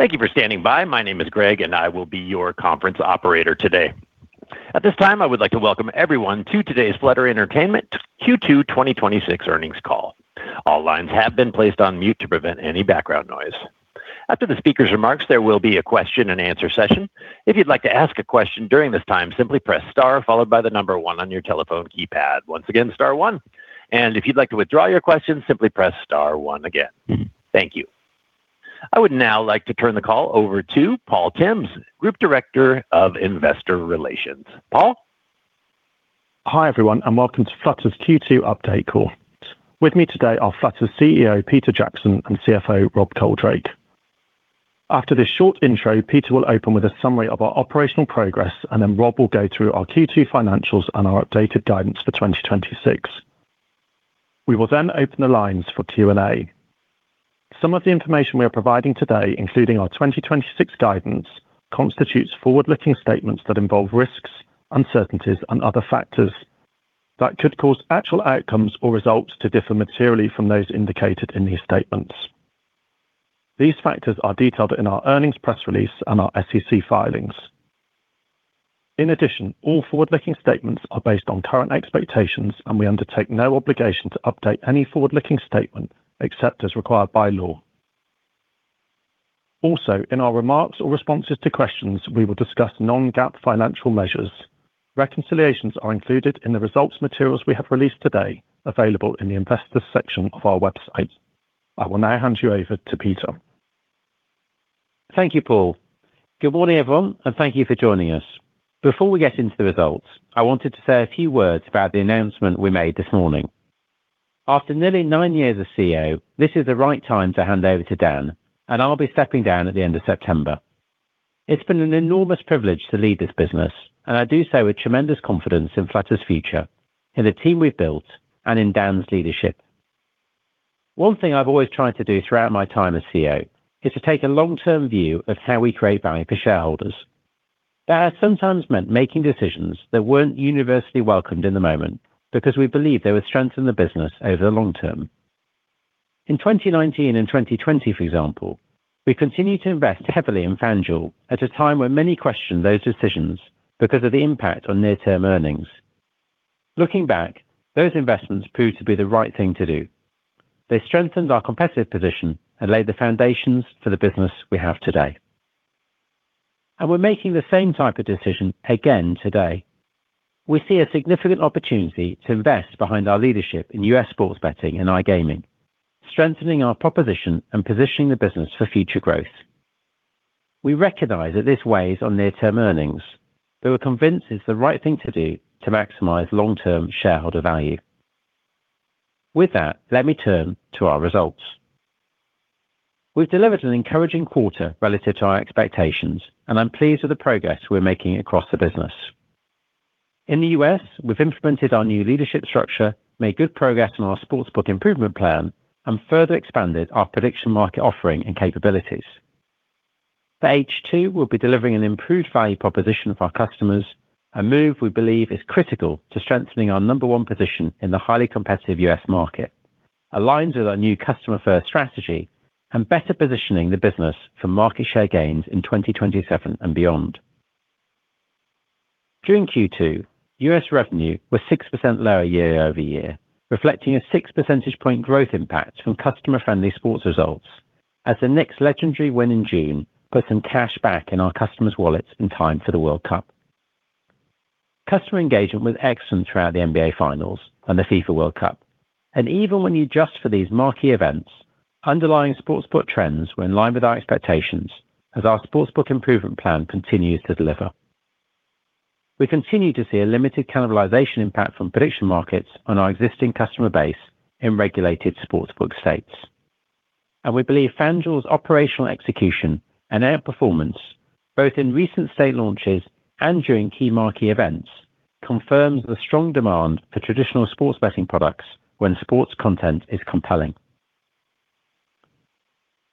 Thank you for standing by. My name is Greg, and I will be your conference operator today. At this time, I would like to welcome everyone to today's Flutter Entertainment Q2 2026 earnings call. All lines have been placed on mute to prevent any background noise. After the speaker's remarks, there will be a question-and-answer session. If you'd like to ask a question during this time, simply press star followed by the number one on your telephone keypad. Once again, star one. If you'd like to withdraw your question, simply press star one again. Thank you. I would now like to turn the call over to Paul Tymms, Group Director of Investor Relations. Paul? Hi everyone, and welcome to Flutter's Q2 update call. With me today are Flutter's CEO, Peter Jackson, and CFO, Rob Coldrake. After this short intro, Peter will open with a summary of our operational progress, and then Rob will go through our Q2 financials and our updated guidance for 2026. We will open the lines for Q&A. Some of the information we are providing today, including our 2026 guidance, constitutes forward-looking statements that involve risks, uncertainties, and other factors that could cause actual outcomes or results to differ materially from those indicated in these statements. These factors are detailed in our earnings press release and our SEC filings. In addition, all forward-looking statements are based on current expectations, and we undertake no obligation to update any forward-looking statement except as required by law. Also, in our remarks or responses to questions, we will discuss non-GAAP financial measures. Reconciliations are included in the results materials we have released today, available in the investors section of our website. I will now hand you over to Peter. Thank you, Paul. Good morning, everyone, and thank you for joining us. Before we get into the results, I wanted to say a few words about the announcement we made this morning. After nearly nine years as CEO, this is the right time to hand over to Dan, and I'll be stepping down at the end of September. It's been an enormous privilege to lead this business, and I do so with tremendous confidence in Flutter's future, in the team we've built, and in Dan's leadership. One thing I've always tried to do throughout my time as CEO is to take a long-term view of how we create value for shareholders. That has sometimes meant making decisions that weren't universally welcomed in the moment because we believed they would strengthen the business over the long term. In 2019 and 2020, for example, we continued to invest heavily in FanDuel at a time when many questioned those decisions because of the impact on near-term earnings. Looking back, those investments proved to be the right thing to do. They strengthened our competitive position and laid the foundations for the business we have today. We're making the same type of decision again today. We see a significant opportunity to invest behind our leadership in U.S. sports betting and iGaming, strengthening our proposition and positioning the business for future growth. We recognize that this weighs on near-term earnings, we're convinced it's the right thing to do to maximize long-term shareholder value. With that, let me turn to our results. We've delivered an encouraging quarter relative to our expectations, I'm pleased with the progress we're making across the business. In the U.S., we've implemented our new leadership structure, made good progress on our sportsbook improvement plan, further expanded our prediction market offering and capabilities. For H2, we'll be delivering an improved value proposition for our customers, a move we believe is critical to strengthening our number one position in the highly competitive U.S. market, aligns with our new customer-first strategy, better positioning the business for market share gains in 2027 and beyond. During Q2, U.S. revenue was 6% lower year-over-year, reflecting a six percentage point growth impact from customer-friendly sports results as the Knicks legendary win in June put some cash back in our customers' wallets in time for the World Cup. Customer engagement was excellent throughout the NBA Finals and the FIFA World Cup. Even when you adjust for these marquee events, underlying sportsbook trends were in line with our expectations as our sportsbook improvement plan continues to deliver. We continue to see a limited cannibalization impact from prediction markets on our existing customer base in regulated sportsbook states. We believe FanDuel's operational execution and outperformance, both in recent state launches and during key marquee events, confirms the strong demand for traditional sports betting products when sports content is compelling.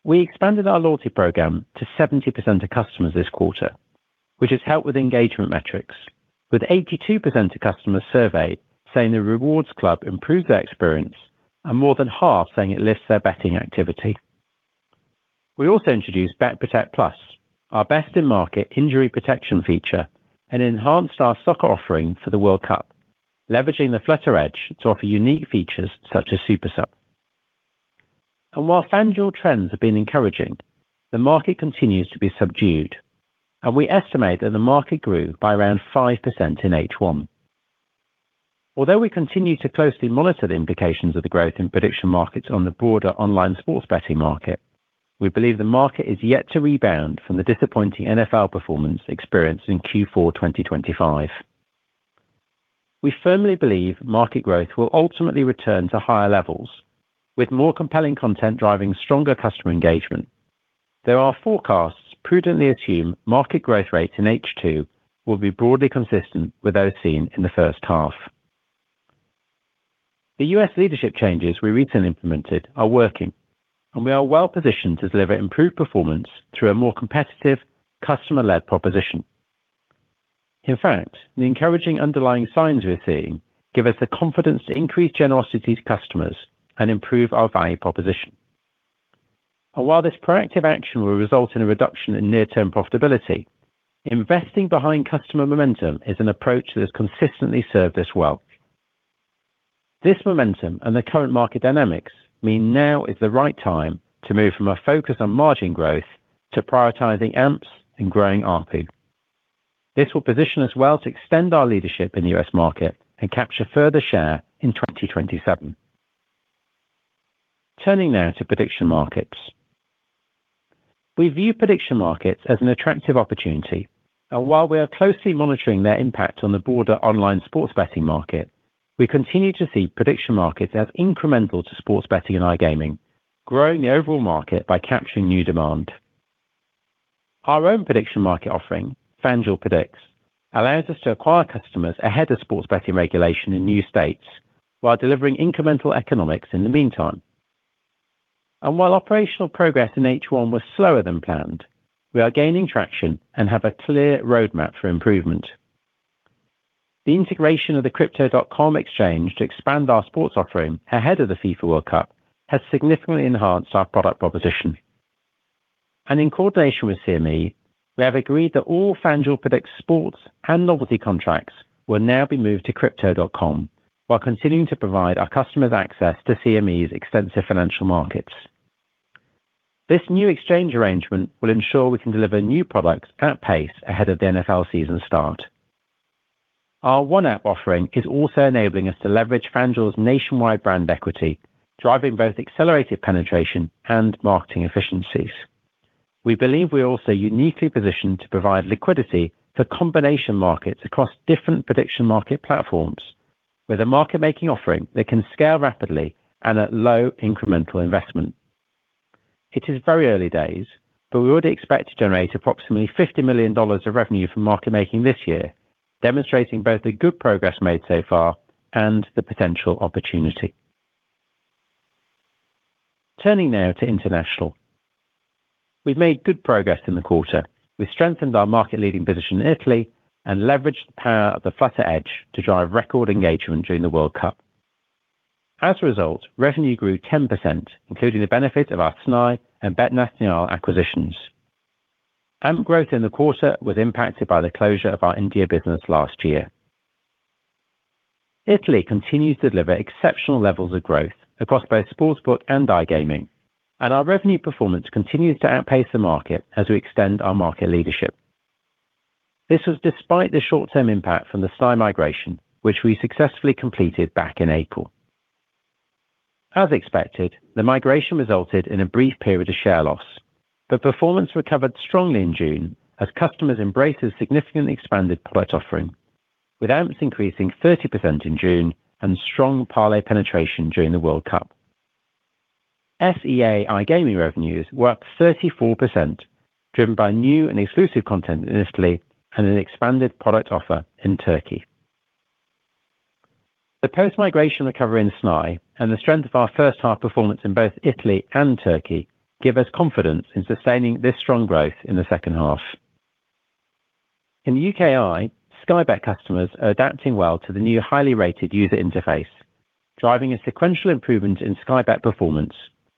We expanded our loyalty program to 70% of customers this quarter, which has helped with engagement metrics, with 82% of customers surveyed saying the rewards club improved their experience, more than half saying it lifts their betting activity. We also introduced Bet Protect+, our best-in-market injury protection feature, enhanced our soccer offering for the World Cup, leveraging the Flutter Edge to offer unique features such as Super Sub. While FanDuel trends have been encouraging, the market continues to be subdued, we estimate that the market grew by around 5% in H1. Although we continue to closely monitor the implications of the growth in prediction markets on the broader online sports betting market, we believe the market is yet to rebound from the disappointing NFL performance experienced in Q4 2025. We firmly believe market growth will ultimately return to higher levels, with more compelling content driving stronger customer engagement, though our forecasts prudently assume market growth rates in H2 will be broadly consistent with those seen in the first half. The U.S. leadership changes we recently implemented are working, we are well positioned to deliver improved performance through a more competitive customer-led proposition. In fact, the encouraging underlying signs we're seeing give us the confidence to increase generosity to customers and improve our value proposition. While this proactive action will result in a reduction in near-term profitability, investing behind customer momentum is an approach that has consistently served us well. This momentum and the current market dynamics mean now is the right time to move from a focus on margin growth to prioritizing AMPs and growing ARPU. This will position us well to extend our leadership in the U.S. market and capture further share in 2027. Turning now to prediction markets. We view prediction markets as an attractive opportunity. While we are closely monitoring their impact on the broader online sports betting market, we continue to see prediction markets as incremental to sports betting and iGaming, growing the overall market by capturing new demand. Our own prediction market offering, FanDuel Predicts, allows us to acquire customers ahead of sports betting regulation in new states while delivering incremental economics in the meantime. While operational progress in H1 was slower than planned, we are gaining traction and have a clear roadmap for improvement. The integration of the Crypto.com exchange to expand our sports offering ahead of the FIFA World Cup has significantly enhanced our product proposition. In coordination with CME, we have agreed that all FanDuel Predicts sports and novelty contracts will now be moved to Crypto.com while continuing to provide our customers access to CME's extensive financial markets. This new exchange arrangement will ensure we can deliver new products at pace ahead of the NFL season start. Our One App offering is also enabling us to leverage FanDuel's nationwide brand equity, driving both accelerated penetration and marketing efficiencies. We believe we are also uniquely positioned to provide liquidity for combination markets across different prediction market platforms with a market-making offering that can scale rapidly and at low incremental investment. It is very early days, but we already expect to generate approximately $50 million of revenue from market making this year, demonstrating both the good progress made so far and the potential opportunity. Turning now to international. We've made good progress in the quarter. We've strengthened our market-leading position in Italy and leveraged the power of the Flutter Edge to drive record engagement during the World Cup. As a result, revenue grew 10%, including the benefit of our SNAI and Betnacional acquisitions. AMP growth in the quarter was impacted by the closure of our India business last year. Italy continues to deliver exceptional levels of growth across both sportsbook and iGaming, and our revenue performance continues to outpace the market as we extend our market leadership. This was despite the short-term impact from the SNAI migration, which we successfully completed back in April. As expected, the migration resulted in a brief period of share loss, but performance recovered strongly in June as customers embraced a significantly expanded product offering, with AMPs increasing 30% in June and strong parlay penetration during the World Cup. SEA iGaming revenues were up 34%, driven by new and exclusive content in Italy and an expanded product offer in Turkey. The post-migration recovery in SNAI and the strength of our first half performance in both Italy and Turkey give us confidence in sustaining this strong growth in the second half. In the UKI, Sky Bet customers are adapting well to the new highly rated user interface, driving a sequential improvement in Sky Bet performance,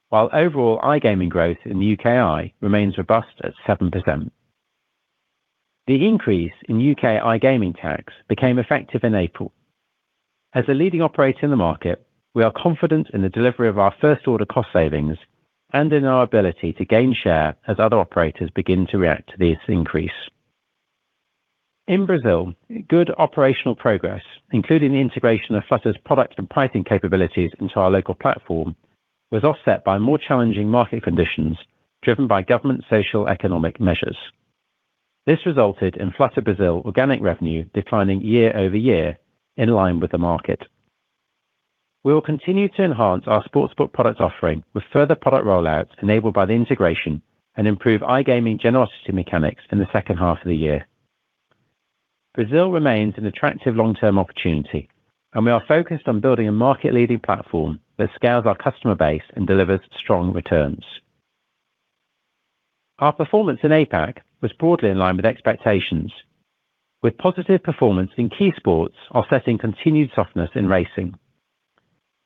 while overall iGaming growth in the UKI remains robust at 7%. The increase in U.K. iGaming tax became effective in April. As a leading operator in the market, we are confident in the delivery of our first-order cost savings and in our ability to gain share as other operators begin to react to this increase. In Brazil, good operational progress, including the integration of Flutter's product and pricing capabilities into our local platform, was offset by more challenging market conditions driven by government socioeconomic measures. This resulted in Flutter Brazil organic revenue declining year-over-year in line with the market. We will continue to enhance our sportsbook product offering with further product rollouts enabled by the integration and improve iGaming generosity mechanics in the second half of the year. Brazil remains an attractive long-term opportunity, and we are focused on building a market-leading platform that scales our customer base and delivers strong returns. Our performance in APAC was broadly in line with expectations, with positive performance in key sports offsetting continued softness in racing.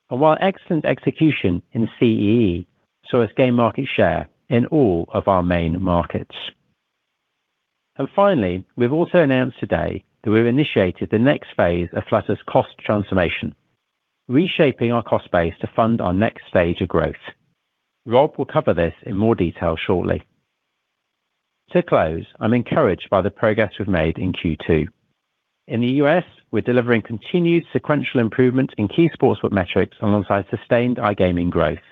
While excellent execution in CEE saw us gain market share in all of our main markets. Finally, we've also announced today that we've initiated the next phase of Flutter's cost transformation, reshaping our cost base to fund our next stage of growth. Rob will cover this in more detail shortly. To close, I'm encouraged by the progress we've made in Q2. In the U.S., we're delivering continued sequential improvement in key sportsbook metrics alongside sustained iGaming growth.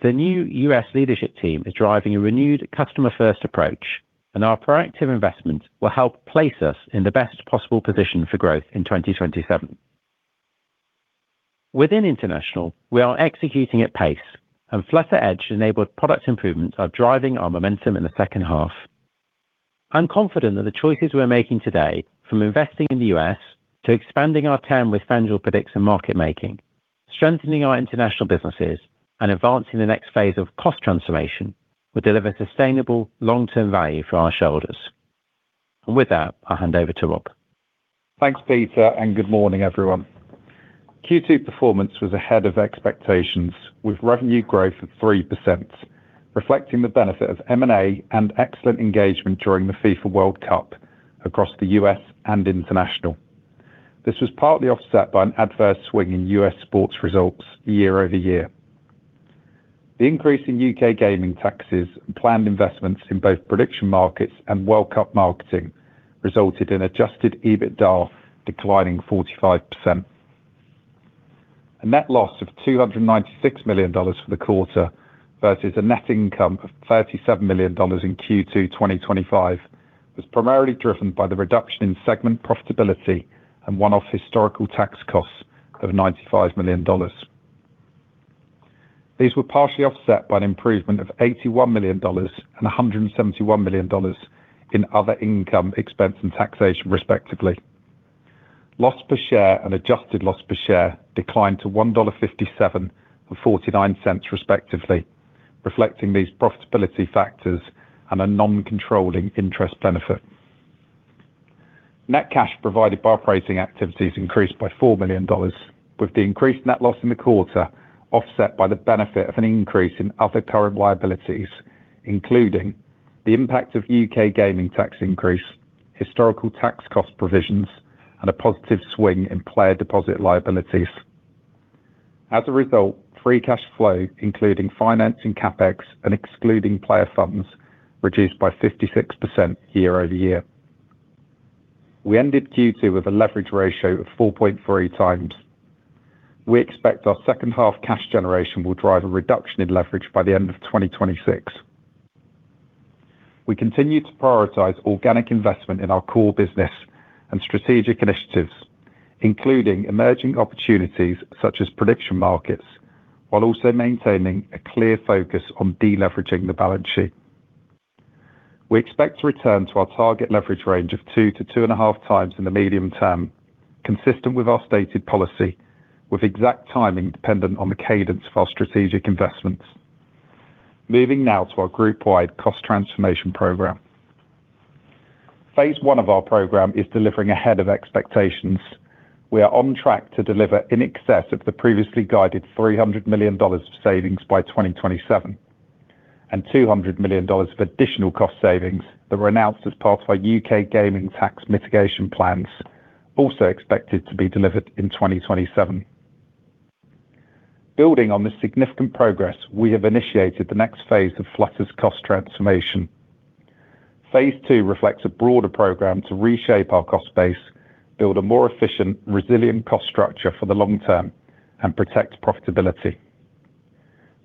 The new U.S. leadership team is driving a renewed customer-first approach, and our proactive investment will help place us in the best possible position for growth in 2027. Within international, we are executing at pace, and Flutter Edge-enabled product improvements are driving our momentum in the second half. I'm confident that the choices we're making today, from investing in the U.S. to expanding our term with FanDuel Predicts and market making. Strengthening our international businesses and advancing the next phase of cost transformation will deliver sustainable long-term value for our shareholders. With that, I'll hand over to Rob. Thanks, Peter, and good morning, everyone. Q2 performance was ahead of expectations, with revenue growth of 3%, reflecting the benefit of M&A and excellent engagement during the FIFA World Cup across the U.S. and international. This was partly offset by an adverse swing in U.S. sports results year-over-year. The increase in U.K. gaming taxes and planned investments in both prediction markets and World Cup marketing resulted in adjusted EBITDA declining 45%. A net loss of $296 million for the quarter versus a net income of $37 million in Q2 2025 was primarily driven by the reduction in segment profitability and one-off historical tax costs of $95 million. These were partially offset by an improvement of $81 million and $171 million in other income expense and taxation, respectively. Loss per share and adjusted loss per share declined to $1.57 and $0.49 respectively, reflecting these profitability factors and a non-controlling interest benefit. Net cash provided by operating activities increased by $4 million, with the increased net loss in the quarter offset by the benefit of an increase in other current liabilities, including the impact of U.K. gaming tax increase, historical tax cost provisions, and a positive swing in player deposit liabilities. As a result, free cash flow, including financing CapEx and excluding player funds, reduced by 56% year-over-year. We ended Q2 with a leverage ratio of 4.3x. We expect our second half cash generation will drive a reduction in leverage by the end of 2026. We continue to prioritize organic investment in our core business and strategic initiatives, including emerging opportunities such as prediction markets, while also maintaining a clear focus on de-leveraging the balance sheet. We expect to return to our target leverage range of 2x-2.5x in the medium term, consistent with our stated policy, with exact timing dependent on the cadence of our strategic investments. Moving now to our group-wide cost transformation program. Phase I of our program is delivering ahead of expectations. We are on track to deliver in excess of the previously guided $300 million of savings by 2027, and $200 million of additional cost savings that were announced as part of our U.K. gaming tax mitigation plans also expected to be delivered in 2027. Building on this significant progress, we have initiated the next phase of Flutter's cost transformation. Phase II reflects a broader program to reshape our cost base, build a more efficient, resilient cost structure for the long term, and protect profitability.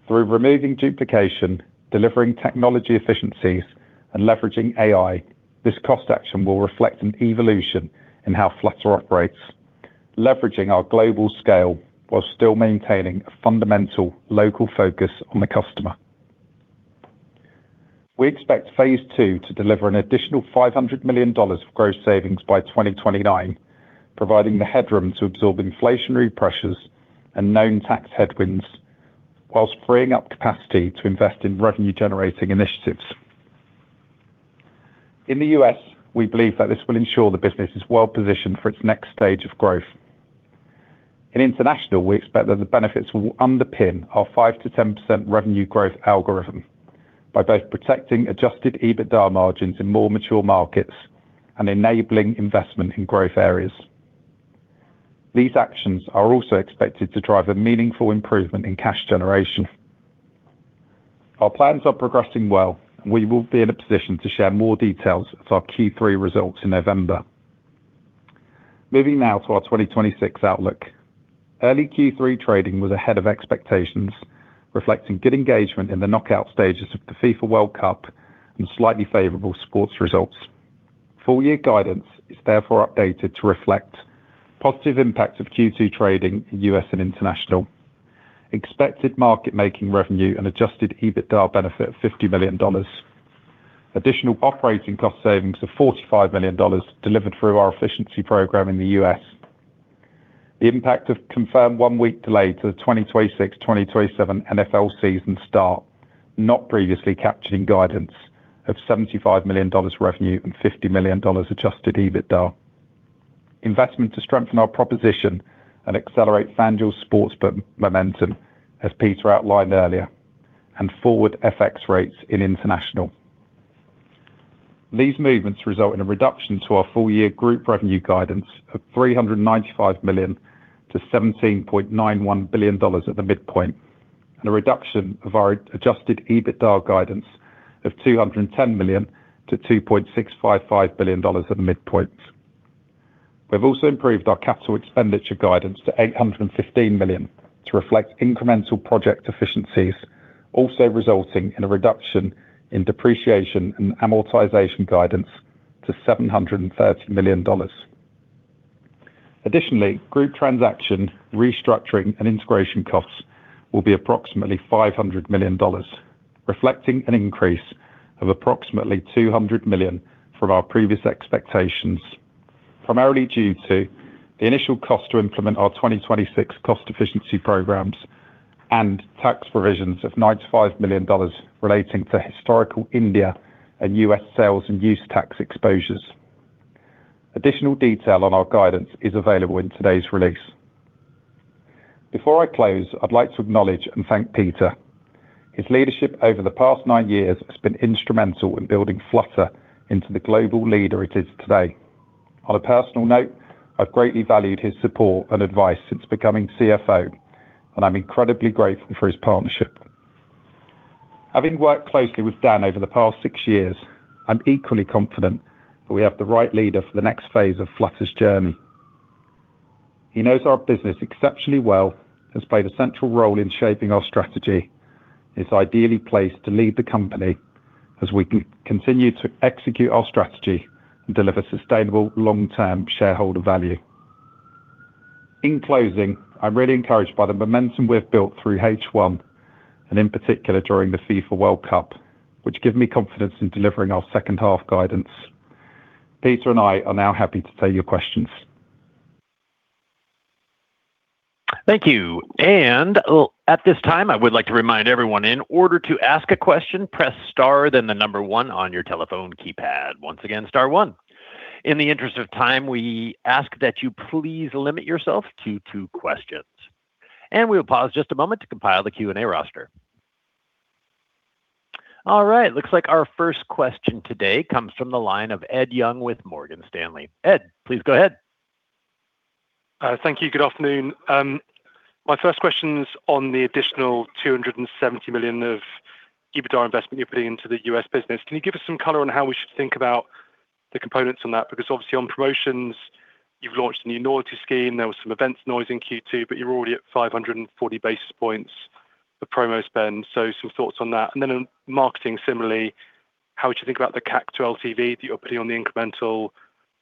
Through removing duplication, delivering technology efficiencies, and leveraging AI, this cost action will reflect an evolution in how Flutter operates, leveraging our global scale while still maintaining a fundamental local focus on the customer. We expect phase II to deliver an additional $500 million of gross savings by 2029, providing the headroom to absorb inflationary pressures and known tax headwinds while freeing up capacity to invest in revenue-generating initiatives. In the U.S., we believe that this will ensure the business is well-positioned for its next stage of growth. In international, we expect that the benefits will underpin our 5%-10% revenue growth algorithm by both protecting adjusted EBITDA margins in more mature markets and enabling investment in growth areas. These actions are also expected to drive a meaningful improvement in cash generation. Our plans are progressing well, and we will be in a position to share more details of our Q3 results in November. Moving now to our 2026 outlook. Early Q3 trading was ahead of expectations, reflecting good engagement in the knockout stages of the FIFA World Cup and slightly favorable sports results. Full-year guidance is therefore updated to reflect positive impact of Q2 trading in U.S. and international, expected market-making revenue and adjusted EBITDA benefit of $50 million. Additional operating cost savings of $45 million delivered through our efficiency program in the U.S. The impact of confirmed one-week delay to the 2026-2027 NFL season start, not previously captured in guidance of $75 million revenue and $50 million adjusted EBITDA. Investment to strengthen our proposition and accelerate FanDuel Sportsbook momentum, as Peter outlined earlier. Forward FX rates in international. These movements result in a reduction to our full-year group revenue guidance of $395 million to $17.91 billion at the midpoint, and a reduction of our adjusted EBITDA guidance of $210 million to $2.655 billion at the midpoint. We've also improved our capital expenditure guidance to $815 million to reflect incremental project efficiencies, also resulting in a reduction in depreciation and amortization guidance to $730 million. Additionally, group transaction restructuring and integration costs will be approximately $500 million, reflecting an increase of approximately $200 million from our previous expectations primarily due to the initial cost to implement our 2026 cost efficiency programs and tax provisions of $95 million relating to historical India and U.S. sales and use tax exposures. Additional detail on our guidance is available in today's release. Before I close, I'd like to acknowledge and thank Peter. His leadership over the past nine years has been instrumental in building Flutter into the global leader it is today. On a personal note, I've greatly valued his support and advice since becoming CFO. I'm incredibly grateful for his partnership. Having worked closely with Dan over the past six years, I'm equally confident that we have the right leader for the next phase of Flutter's journey. He knows our business exceptionally well, has played a central role in shaping our strategy. He is ideally placed to lead the company as we continue to execute our strategy and deliver sustainable long-term shareholder value. In closing, I'm really encouraged by the momentum we've built through H1 and in particular during the FIFA World Cup, which gives me confidence in delivering our second half guidance. Peter and I are now happy to take your questions. Thank you. At this time, I would like to remind everyone, in order to ask a question, press star, then the number one on your telephone keypad. Once again, star one. In the interest of time, we ask that you please limit yourself to two questions. We'll pause just a moment to compile the Q&A roster. All right. Looks like our first question today comes from the line of Ed Young with Morgan Stanley. Ed, please go ahead. Thank you. Good afternoon. My first question's on the additional $270 million of EBITDA investment you're putting into the U.S. business. Can you give us some color on how we should think about the components on that? Because obviously on promotions, you've launched the loyalty scheme. There was some events noise in Q2, but you're already at 540 basis points for promo spend. Some thoughts on that. On marketing, similarly, how would you think about the CAC to LTV that you're putting on the incremental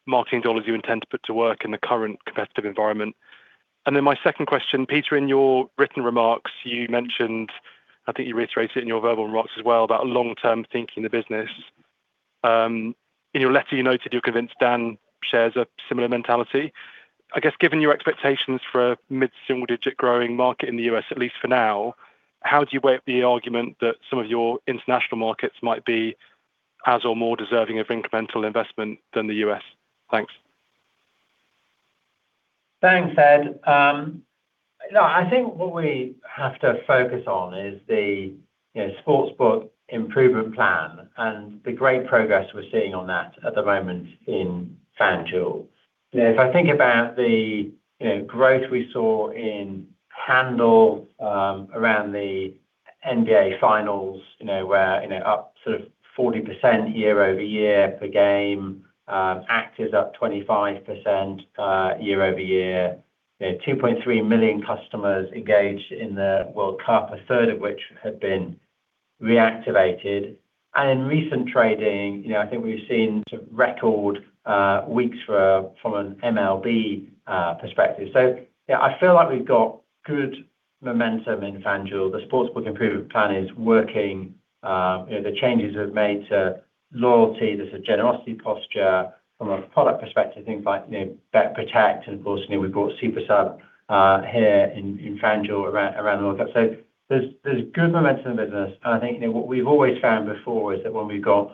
marketing dollars you intend to put to work in the current competitive environment? My second question, Peter, in your written remarks, you mentioned, I think you reiterated it in your verbal remarks as well, about long-term thinking the business. In your letter, you noted you're convinced Dan shares a similar mentality. Given your expectations for a mid-single digit growing market in the U.S., at least for now, how do you weigh up the argument that some of your international markets might be as or more deserving of incremental investment than the U.S.? Thanks. Thanks, Ed. I think what we have to focus on is the Sportsbook improvement plan and the great progress we're seeing on that at the moment in FanDuel. If I think about the growth we saw in handle around the NBA Finals, where up sort of 40% year-over-year per game, actives up 25% year-over-year. 2.3 million customers engaged in the World Cup, a third of which had been reactivated. In recent trading, I think we've seen record weeks from an MLB perspective. Yeah, I feel like we've got good momentum in FanDuel. The Sportsbook improvement plan is working. The changes we've made to loyalty, there's a generosity posture from a product perspective, things like Bet Protect+, and of course, we brought Super Sub here in FanDuel around the World Cup. There's good momentum in the business, and I think what we've always found before is that when we've got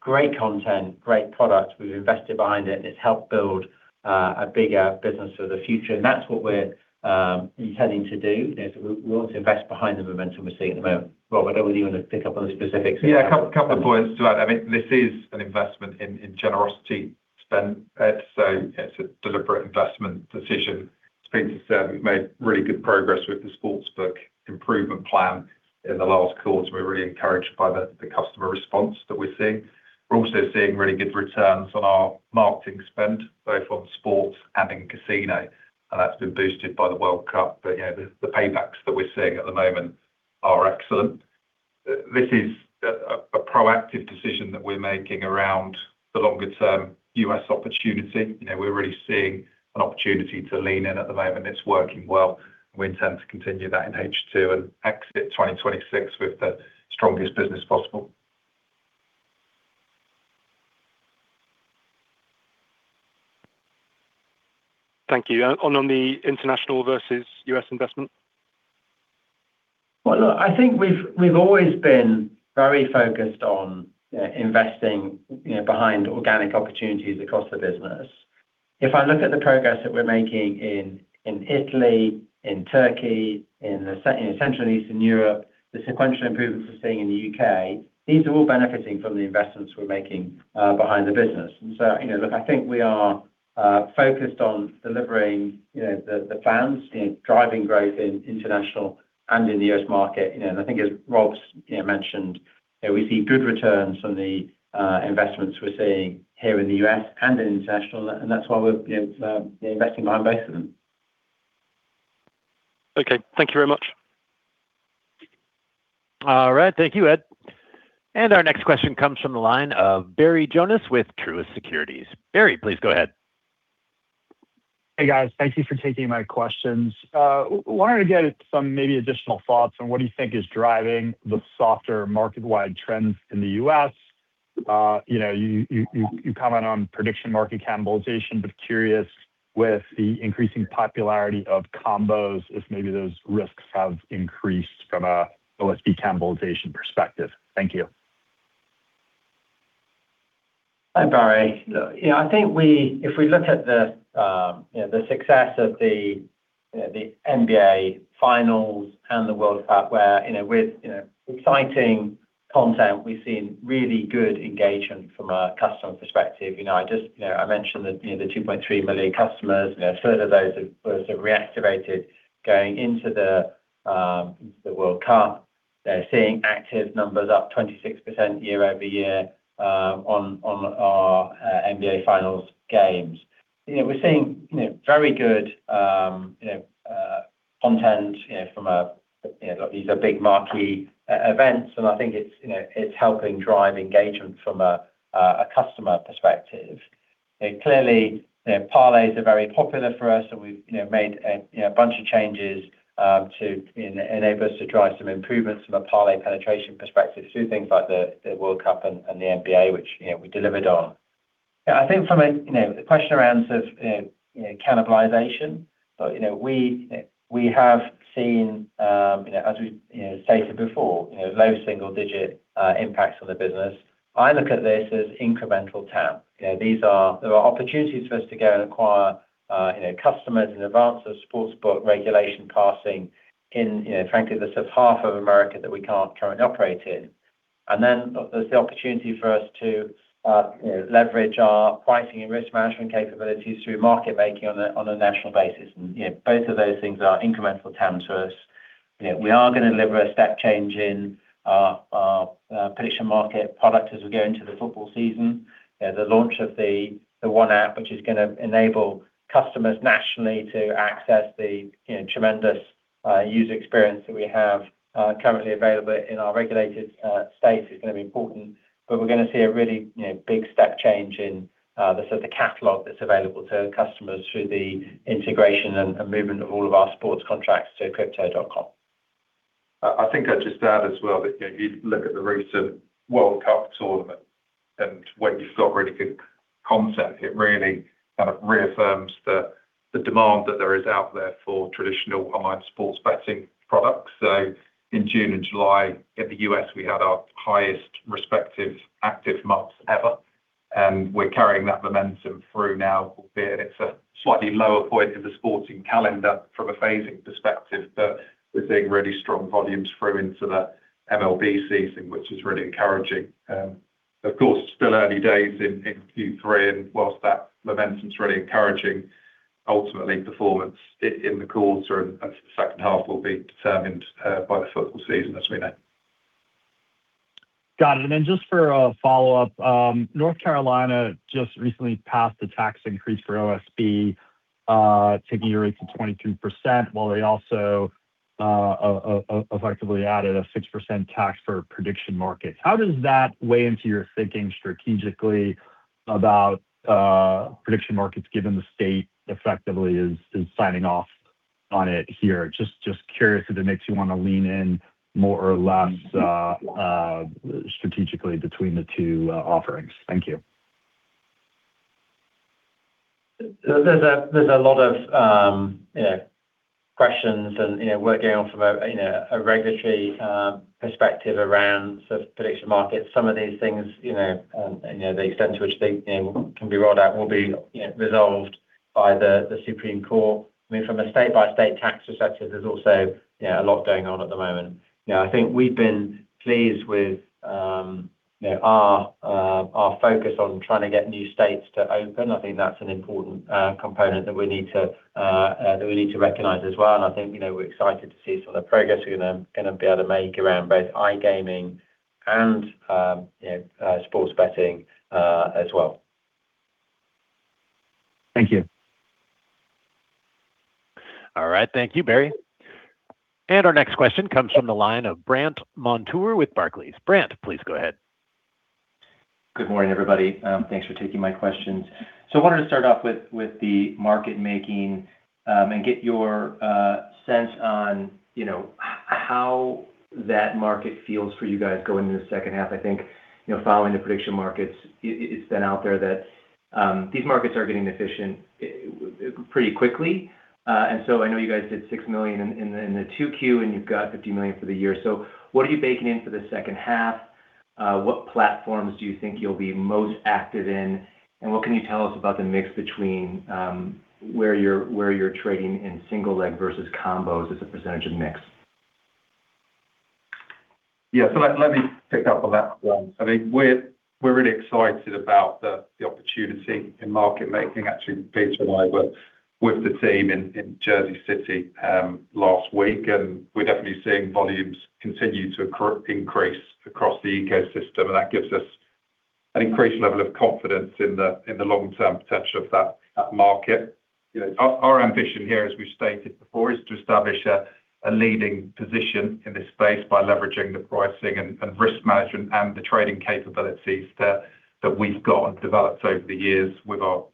great content, great product, we've invested behind it, and it's helped build a bigger business for the future. That's what we're intending to do, is we want to invest behind the momentum we're seeing at the moment. Rob, I don't know whether you want to pick up on the specifics. Yeah, a couple of points to add. This is an investment in generosity spend. It's a deliberate investment decision. As Peter said, we've made really good progress with the Sportsbook improvement plan in the last quarter. We're really encouraged by the customer response that we're seeing. We're also seeing really good returns on our marketing spend, both on sports and in casino, and that's been boosted by the World Cup. The paybacks that we're seeing at the moment are excellent. This is a proactive decision that we're making around the longer term U.S. opportunity. We're really seeing an opportunity to lean in at the moment. It's working well, and we intend to continue that in H2 and exit 2026 with the strongest business possible. Thank you. On the international versus U.S. investment? Well, look, I think we've always been very focused on investing behind organic opportunities across the business. If I look at the progress that we're making in Italy, in Turkey, in Central and Eastern Europe, the sequential improvements we're seeing in the U.K., these are all benefiting from the investments we're making behind the business. Look, I think we are focused on delivering the fans, driving growth in international and in the U.S. market. I think as Rob's mentioned, we see good returns from the investments we're seeing here in the U.S. and in international, that's why we're investing behind both of them. Okay. Thank you very much. Thank you, Ed. Our next question comes from the line of Barry Jonas with Truist Securities. Barry, please go ahead. Hey, guys. Thank you for taking my questions. I wanted to get some maybe additional thoughts on what you think is driving the softer market-wide trends in the U.S. You comment on prediction market cannibalization, but I am curious with the increasing popularity of combos, if maybe those risks have increased from an OSB cannibalization perspective. Thank you. Hi, Barry. I think if we look at the success of the NBA Finals and the World Cup, where with exciting content, we've seen really good engagement from a customer perspective. I mentioned the 2.3 million customers, further those who have reactivated going into the World Cup. They're seeing active numbers up 26% year-over-year on our NBA Finals games. We're seeing very good content from these big marquee events. I think it's helping drive engagement from a customer perspective. Clearly, parlays are very popular for us, and we've made a bunch of changes to enable us to drive some improvements from a parlay penetration perspective through things like the World Cup and the NBA, which we delivered on. I think from a question around cannibalization, we have seen, as we stated before, low single-digit impacts on the business. I look at this as incremental TAM. There are opportunities for us to go and acquire customers in advance of sports book regulation passing in, frankly, the sort of half of America that we can't currently operate in. Then there's the opportunity for us to leverage our pricing and risk management capabilities through market making on a national basis. Both of those things are incremental TAM to us. We are going to deliver a step change in our prediction market product as we go into the football season. The launch of the One App, which is going to enable customers nationally to access the tremendous user experience that we have currently available in our regulated states is going to be important. We're going to see a really big step change in the sort of catalog that's available to customers through the integration and movement of all of our sports contracts to Crypto.com. I think I'd just add as well that you look at the recent FIFA World Cup tournament and when you've got really good content, it really reaffirms the demand that there is out there for traditional online sports betting products. In June and July in the U.S., we had our highest respective active months ever, and we're carrying that momentum through now, albeit it's a slightly lower point in the sporting calendar from a phasing perspective. We're seeing really strong volumes through into the MLB season, which is really encouraging. Of course, still early days in Q3, and whilst that momentum is really encouraging, ultimately, performance in the quarter and second half will be determined by the football season as we know. Got it. Just for a follow-up, North Carolina just recently passed a tax increase for OSB, taking your rate to 23%, while they also effectively added a 6% tax for prediction markets. How does that weigh into your thinking strategically about prediction markets, given the state effectively is signing off on it here? Just curious if it makes you want to lean in more or less strategically between the two offerings. Thank you. There's a lot of questions and working off from a regulatory perspective around prediction markets. Some of these things, the extent to which they can be rolled out will be resolved by the Supreme Court. From a state-by-state tax perspective, there's also a lot going on at the moment. I think we've been pleased with our focus on trying to get new states to open. That's an important component that we need to recognize as well, and I think we're excited to see the progress we're going to be able to make around both iGaming and sports betting as well. Thank you. All right. Thank you, Barry. Our next question comes from the line of Brandt Montour with Barclays. Brandt, please go ahead. Good morning, everybody. Thanks for taking my questions. I wanted to start off with the market making and get your sense on how that market feels for you guys going into the second half. I think following the prediction markets, it's been out there that these markets are getting efficient pretty quickly. I know you guys did $6 million in the 2Q, and you've got $50 million for the year. What are you baking in for the second half? What platforms do you think you'll be most active in? What can you tell us about the mix between where you're trading in single leg versus combos as a percentage of mix? Yeah. Let me pick up on that one. We're really excited about the opportunity in market making. Actually, Peter and I were with the team in Jersey City last week, and we're definitely seeing volumes continue to increase across the ecosystem, and that gives us an increased level of confidence in the long-term potential of that market. Our ambition here, as we've stated before, is to establish a leading position in this space by leveraging the pricing and risk management and the trading capabilities that we've got and developed over the years with our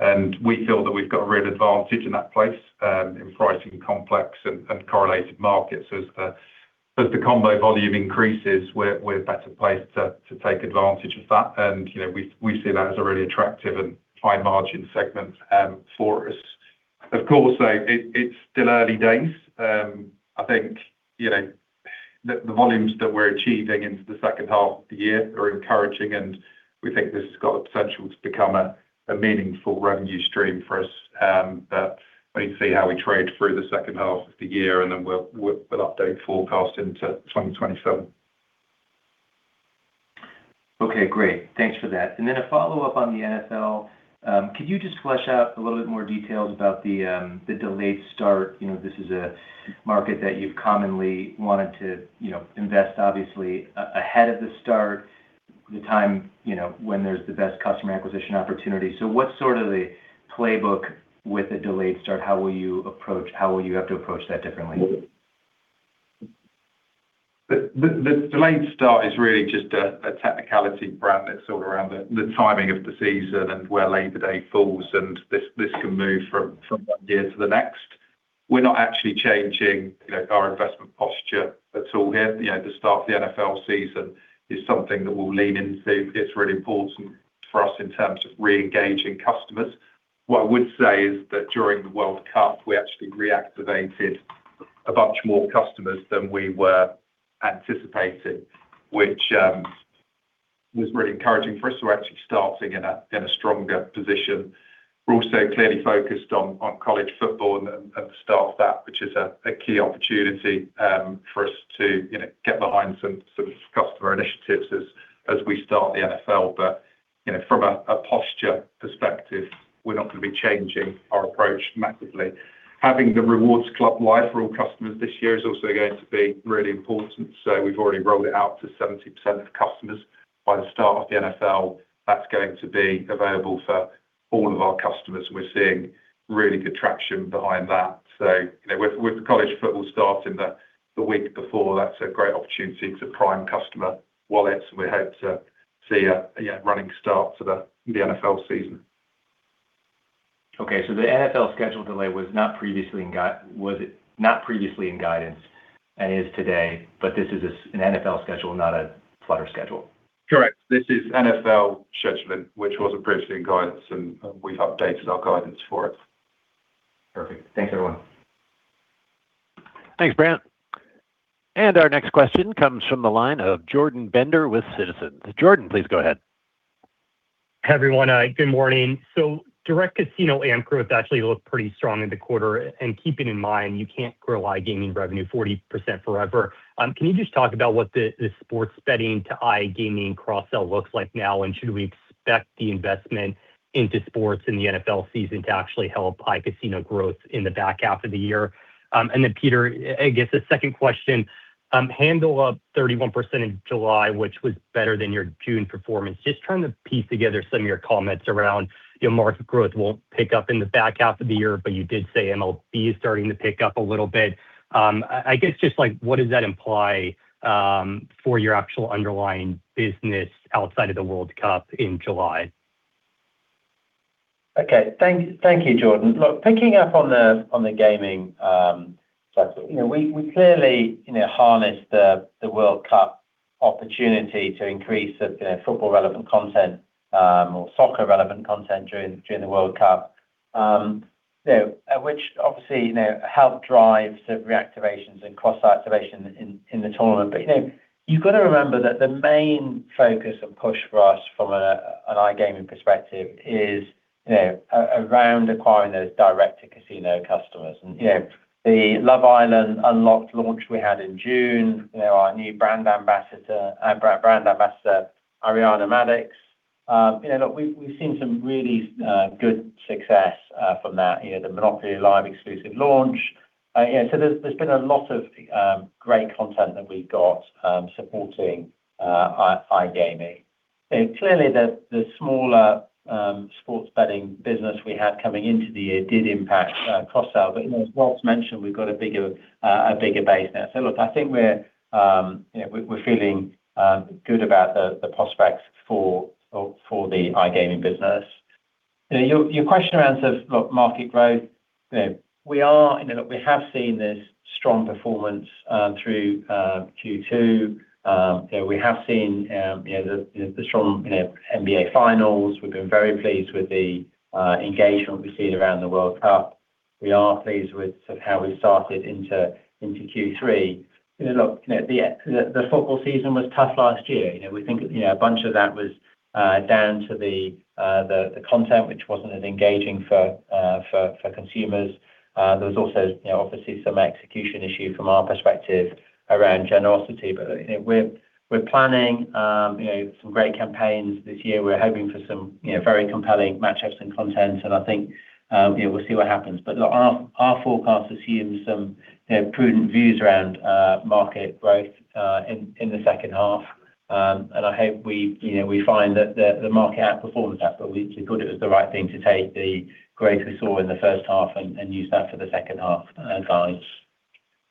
sportsbook. We feel that we've got a real advantage in that place in pricing complex and correlated markets. As the combo volume increases, we're better placed to take advantage of that. We see that as a really attractive and high-margin segment for us. Of course, though, it's still early days. The volumes that we're achieving into the second half of the year are encouraging, and we think this has got the potential to become a meaningful revenue stream for us. Wait and see how we trade through the second half of the year and then we'll update forecast into 2027. Okay, great. Thanks for that. A follow-up on the NFL. Could you just flesh out a little bit more details about the delayed start? This is a market that you've commonly wanted to invest, obviously, ahead of the start, the time when there's the best customer acquisition opportunity. What's the playbook with a delayed start? How will you have to approach that differently? The delayed start is really just a technicality, Brandt. It's all around the timing of the season and where Labor Day falls, and this can move from one year to the next. We're not actually changing our investment posture at all here. The start of the NFL season is something that we'll lean into. It's really important for us in terms of re-engaging customers. What I would say is that during the World Cup, we actually reactivated a bunch more customers than we were anticipating, which was really encouraging for us. We're actually starting in a stronger position. We're also clearly focused on college football and the start of that, which is a key opportunity for us to get behind some customer initiatives as we start the NFL. From a posture perspective, we're not going to be changing our approach massively. Having the Rewards Club live for all customers this year is also going to be really important. We've already rolled it out to 70% of customers. By the start of the NFL, that's going to be available for all of our customers, and we're seeing really good traction behind that. With the college football starting the week before, that's a great opportunity to prime customer wallets, and we hope to see a running start for the NFL season. Okay. The NFL schedule delay was not previously in guidance and is today, but this is an NFL schedule, not a Flutter schedule. Correct. This is NFL scheduling, which wasn't previously in guidance, and we've updated our guidance for it. Perfect. Thanks, everyone. Thanks, Brandt. Our next question comes from the line of Jordan Bender with Citizens. Jordan, please go ahead. Hi, everyone. Good morning. Direct casino AM growth actually looked pretty strong in the quarter, and keeping in mind you can't grow iGaming revenue 40% forever, can you just talk about what the sports betting to iGaming cross-sell looks like now? Should we expect the investment into sports in the NFL season to actually help iCasino growth in the back half of the year? Peter, a second question, handle up 31% in July, which was better than your June performance. Trying to piece together some of your comments around market growth won't pick up in the back half of the year, but you did say MLB is starting to pick up a little bit. Just what does that imply for your actual underlying business outside of the World Cup in July? Okay. Thank you, Jordan. Picking up on the gaming sector, we clearly harnessed the World Cup opportunity to increase football relevant content or soccer relevant content during the World Cup, which obviously helped drive some reactivations and cross-activation in the tournament. You've got to remember that the main focus and push for us from an iGaming perspective is around acquiring those direct-to-casino customers. The Love Island: Unlocked launch we had in June, our new brand ambassador, Ariana Madix. We've seen some really good success from that. The Monopoly Live exclusive launch. There's been a lot of great content that we got supporting iGaming. Clearly, the smaller sports betting business we had coming into the year did impact cross-sell, but as I've mentioned, we've got a bigger base now. I think we're feeling good about the prospects for the iGaming business. Your question around market growth, we have seen this strong performance through Q2. We have seen the strong NBA Finals. We've been very pleased with the engagement we've seen around the World Cup. We are pleased with how we started into Q3. Look, the football season was tough last year. We think a bunch of that was down to the content, which wasn't as engaging for consumers. There was also obviously some execution issue from our perspective around generosity. We're planning some great campaigns this year. We're hoping for some very compelling matchups and content and I think we'll see what happens. Our forecast assumes some prudent views around market growth in the second half. I hope we find that the market outperforms that, but we thought it was the right thing to take the growth we saw in the first half and use that for the second half advantage.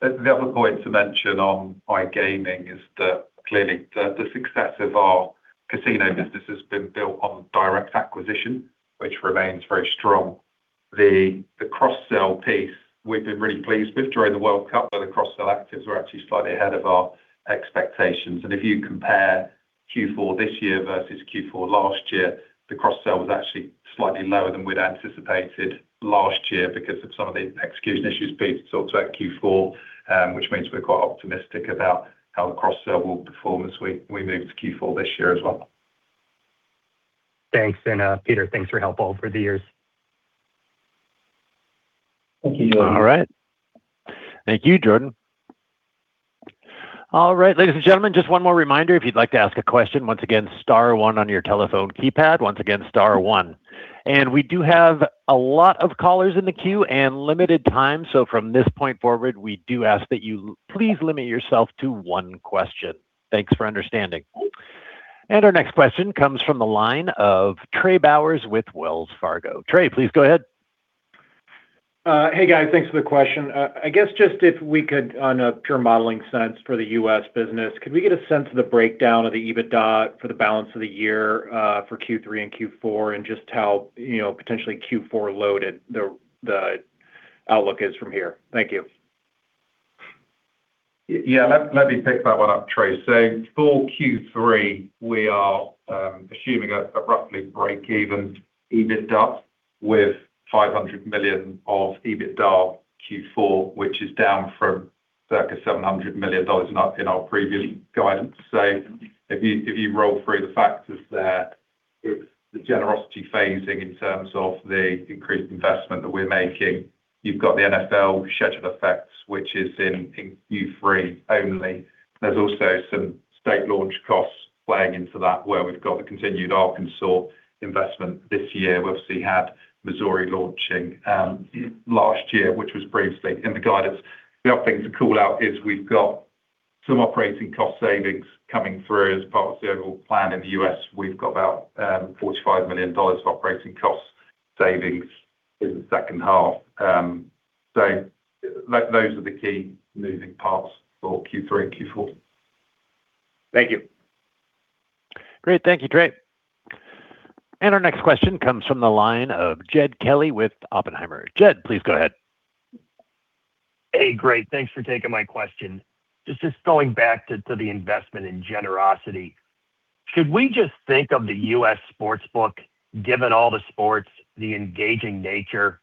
The other point to mention on iGaming is that clearly the success of our casino business has been built on direct acquisition, which remains very strong. The cross-sell piece we've been really pleased with during the World Cup, where the cross-sell actives were actually slightly ahead of our expectations. If you compare Q4 this year versus Q4 last year, the cross-sell was actually slightly lower than we'd anticipated last year because of some of the execution issues Pete talked about in Q4, which means we're quite optimistic about how the cross-sell will perform as we move to Q4 this year as well. Thanks. Peter, thanks for your help over the years. Thank you, Jordan. All right. Thank you, Jordan. All right, ladies and gentlemen, just one more reminder, if you'd like to ask a question, once again, star one on your telephone keypad. Once again, star one. We do have a lot of callers in the queue and limited time. From this point forward, we do ask that you please limit yourself to one question. Thanks for understanding. Our next question comes from the line of Trey Bowers with Wells Fargo. Trey, please go ahead. Hey, guys. Thanks for the question. I guess just if we could, on a pure modeling sense for the U.S. business, could we get a sense of the breakdown of the EBITDA for the balance of the year for Q3 and Q4 and just how potentially Q4 loaded the outlook is from here? Thank you. Yeah, let me pick that one up, Trey. For Q3, we are assuming a roughly break-even EBITDA with $500 million of EBITDA in Q4, which is down from circa $700 million in our previous guidance. If you roll through the factors there, it's the generosity phasing in terms of the increased investment that we're making. You've got the NFL schedule effects, which is in Q3 only. There's also some state launch costs playing into that, where we've got the continued Arkansas investment this year. We obviously had Missouri launching last year, which was previously in the guidance. The other thing to call out is we've got some operating cost savings coming through as part of the overall plan in the U.S. We've got about $45 million of operating cost savings in the second half. Those are the key moving parts for Q3 and Q4. Thank you. Great. Thank you, Trey. Our next question comes from the line of Jed Kelly with Oppenheimer. Jed, please go ahead. Great. Thanks for taking my question. Just going back to the investment in generosity, should we just think of the U.S. Sportsbook, given all the sports, the engaging nature,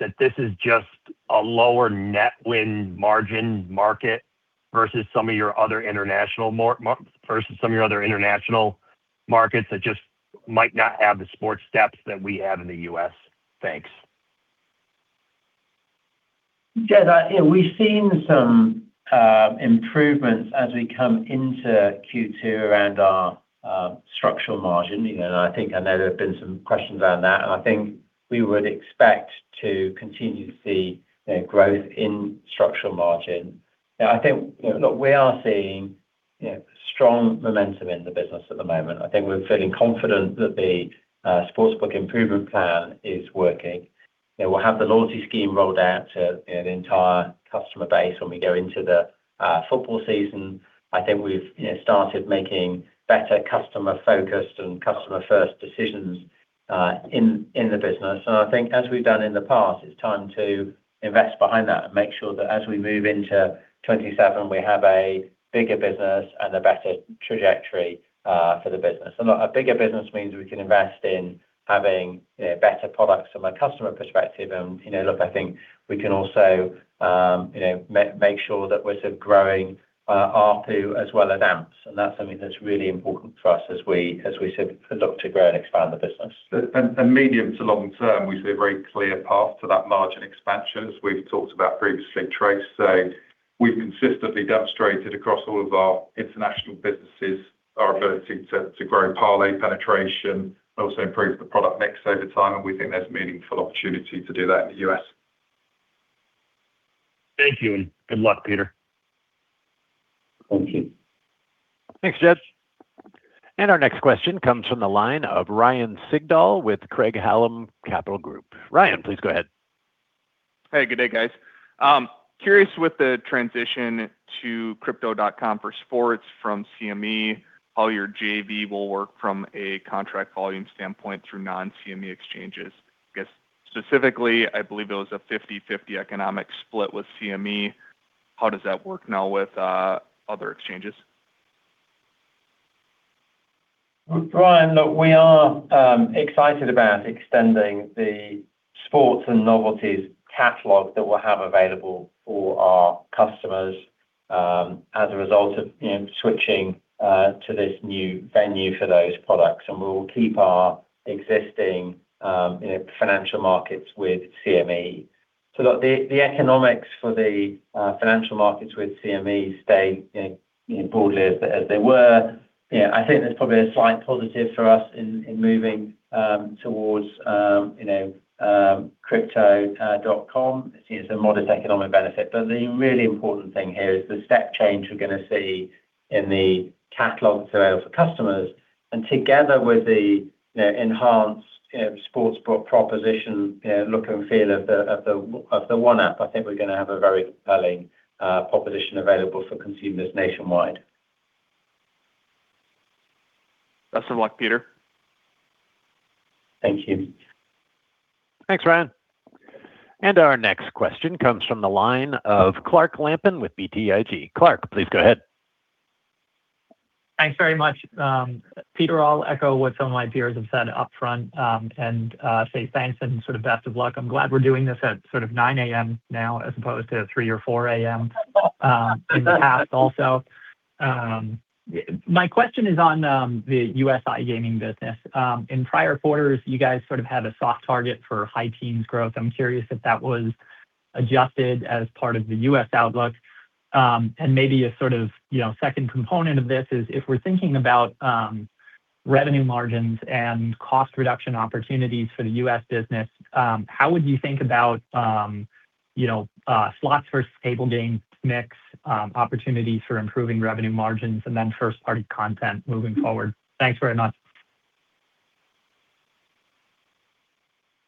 that this is just a lower net win margin market versus some of your other international markets that just might not have the sports depth that we have in the U.S.? Thanks. Jed, we've seen some improvements as we come into Q2 around our structural margin. I know there have been some questions around that, and I think we would expect to continue to see growth in structural margin. Look, we are seeing strong momentum in the business at the moment. I think we're feeling confident that the Sportsbook improvement plan is working. We'll have the loyalty scheme rolled out to an entire customer base when we go into the football season. I think we've started making better customer-focused and customer-first decisions in the business. I think as we've done in the past, it's time to invest behind that and make sure that as we move into 2027, we have a bigger business and a better trajectory for the business. Look, a bigger business means we can invest in having better products from a customer perspective. Look, I think we can also make sure that we're growing ARPU as well as AMPs, and that's something that's really important for us as we look to grow and expand the business. Medium to long term, we see a very clear path to that margin expansion, as we've talked about previously, Trey. We've consistently demonstrated across all of our international businesses our ability to grow parlay penetration, also improve the product mix over time, and we think there's meaningful opportunity to do that in the U.S. Thank you, and good luck, Peter. Thank you. Thanks, Jed. Our next question comes from the line of Ryan Sigdahl with Craig-Hallum Capital Group. Ryan, please go ahead. Hey, good day, guys. Curious with the transition to Crypto.com for sports from CME, how your JV will work from a contract volume standpoint through non-CME exchanges. I guess specifically, I believe it was a 50/50 economic split with CME. How does that work now with other exchanges? Ryan, look, we are excited about extending the sports and novelties catalog that we'll have available for our customers as a result of switching to this new venue for those products. We will keep our existing financial markets with CME. The economics for the financial markets with CME stay broadly as they were. I think there's probably a slight positive for us in moving towards Crypto.com. It's a modest economic benefit. The really important thing here is the step change we're going to see in the catalog available for customers. Together with the enhanced sportsbook proposition look and feel of the One App, I think we're going to have a very compelling proposition available for consumers nationwide. Best of luck, Peter. Thank you. Thanks, Ryan. Our next question comes from the line of Clark Lampen with BTIG. Clark, please go ahead. Thanks very much. Peter, I'll echo what some of my peers have said upfront and say thanks and best of luck. I'm glad we're doing this at 9:00 A.M. now as opposed to 3:00 A.M. or 4:00 A.M. in the past also. My question is on the U.S. iGaming business. In prior quarters, you guys had a soft target for high teens growth. I'm curious if that was adjusted as part of the U.S. outlook. Maybe a second component of this is if we're thinking about revenue margins and cost reduction opportunities for the U.S. business. How would you think about slots versus table game mix opportunities for improving revenue margins and then first-party content moving forward? Thanks very much.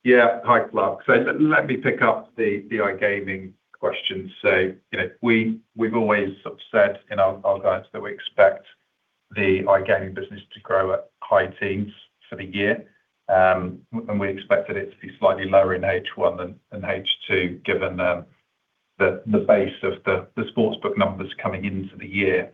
Hi, Clark. Let me pick up the iGaming question. We've always said in our guidance that we expect the iGaming business to grow at high teens for the year, and we expected it to be slightly lower in H1 than in H2, given the base of the sportsbook numbers coming into the year.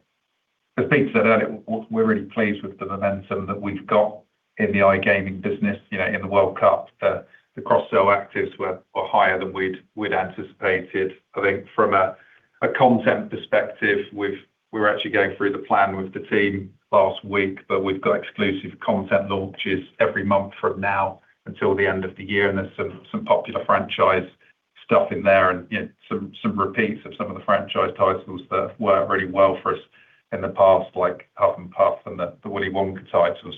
As Peter said earlier, we're really pleased with the momentum that we've got in the iGaming business in the World Cup. The cross-sell actives were higher than we'd anticipated. I think from a content perspective, we were actually going through the plan with the team last week, but we've got exclusive content launches every month from now until the end of the year, and there's some popular franchise stuff in there and some repeats of some of the franchise titles that worked really well for us in the past, like Huff N' Puff and the Willy Wonka titles.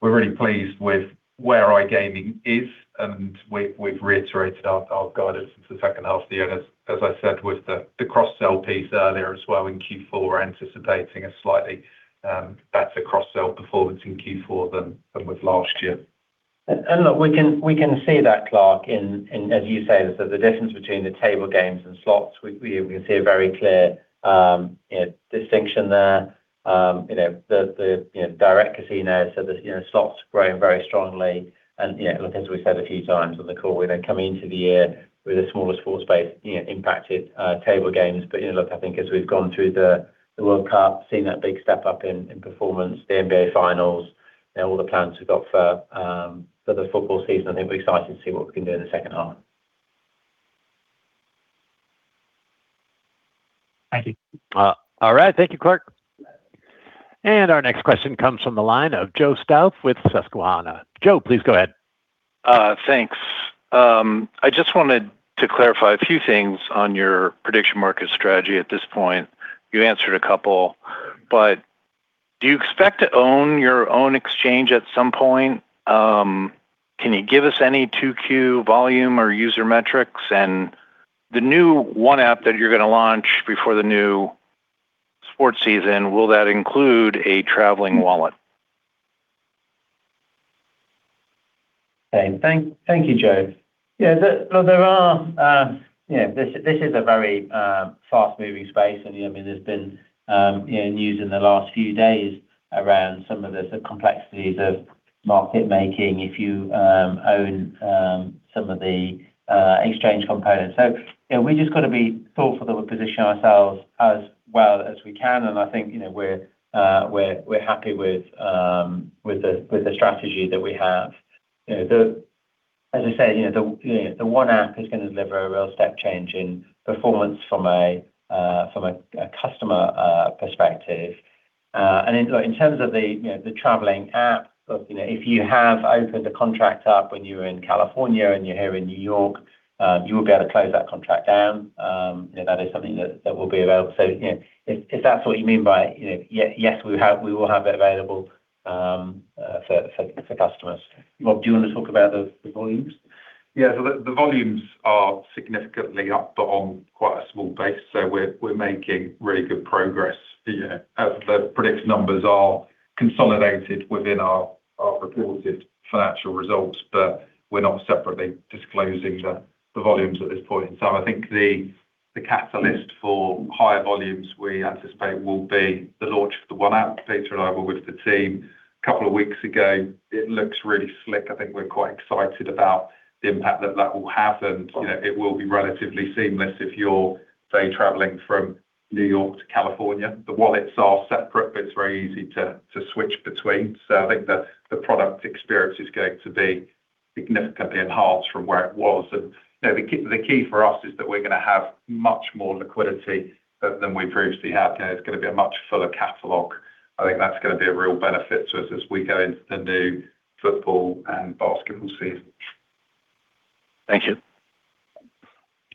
We're really pleased with where iGaming is, and we've reiterated our guidance for the second half of the year. As I said with the cross-sell piece earlier as well in Q4, we're anticipating a slightly better cross-sell performance in Q4 than with last year. Look, we can see that, Clark, in, as you say, the difference between the table games and slots. We can see a very clear distinction there. The direct casino, the slots growing very strongly and as we said a few times on the call, coming into the year with a smaller sports base impacted table games. Look, I think as we've gone through the World Cup, seen that big step-up in performance, the NBA Finals, all the plans we've got for the football season, I think we're excited to see what we can do in the second half. Thank you. All right. Thank you, Clark. Our next question comes from the line of Joe Stauff with Susquehanna. Joe, please go ahead. Thanks. I just wanted to clarify a few things on your prediction market strategy at this point. You answered a couple. Do you expect to own your own exchange at some point? Can you give us any 2Q volume or user metrics? The new One App that you're going to launch before the new sports season, will that include a traveling wallet? Thank you, Joe. This is a very fast-moving space, and there's been news in the last few days around some of the complexities of market-making if you own some of the exchange components. We just got to be thoughtful that we position ourselves as well as we can, and I think we're happy with the strategy that we have. As I said, the One App is going to deliver a real step change in performance from a customer perspective. In terms of the traveling app, if you have opened a contract up when you're in California and you're here in New York, you will be able to close that contract down. That is something that will be available. If that's what you mean by it, yes, we will have it available for customers. Rob, do you want to talk about the volumes? The volumes are significantly up, but on quite a small base, so we're making really good progress as the predicts numbers are consolidated within our reported financial results. We're not separately disclosing the volumes at this point. I think the catalyst for higher volumes we anticipate will be the launch of the One App. Peter and I were with the team a couple of weeks ago. It looks really slick. I think we're quite excited about the impact that that will have, and it will be relatively seamless if you're, say, traveling from New York to California. The wallets are separate, but it's very easy to switch between. I think the product experience is going to be significantly enhanced from where it was. The key for us is that we're going to have much more liquidity than we've previously had. It's going to be a much fuller catalog. I think that's going to be a real benefit to us as we go into the new football and basketball season. Thank you.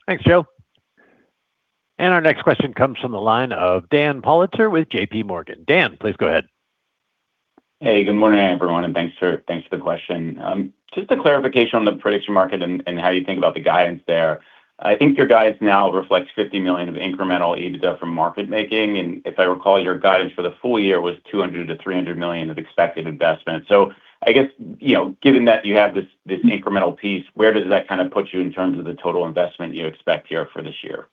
Thanks, Joe. Our next question comes from the line of Dan Politzer with JPMorgan. Dan, please go ahead. Hey, good morning, everyone, and thanks for the question. Just a clarification on the prediction market and how you think about the guidance there. I think your guidance now reflects $50 million of incremental EBITDA from market making, and if I recall, your guidance for the full year was $200 million-$300 million of expected investment. I guess, given that you have this incremental piece, where does that put you in terms of the total investment you expect here for this year?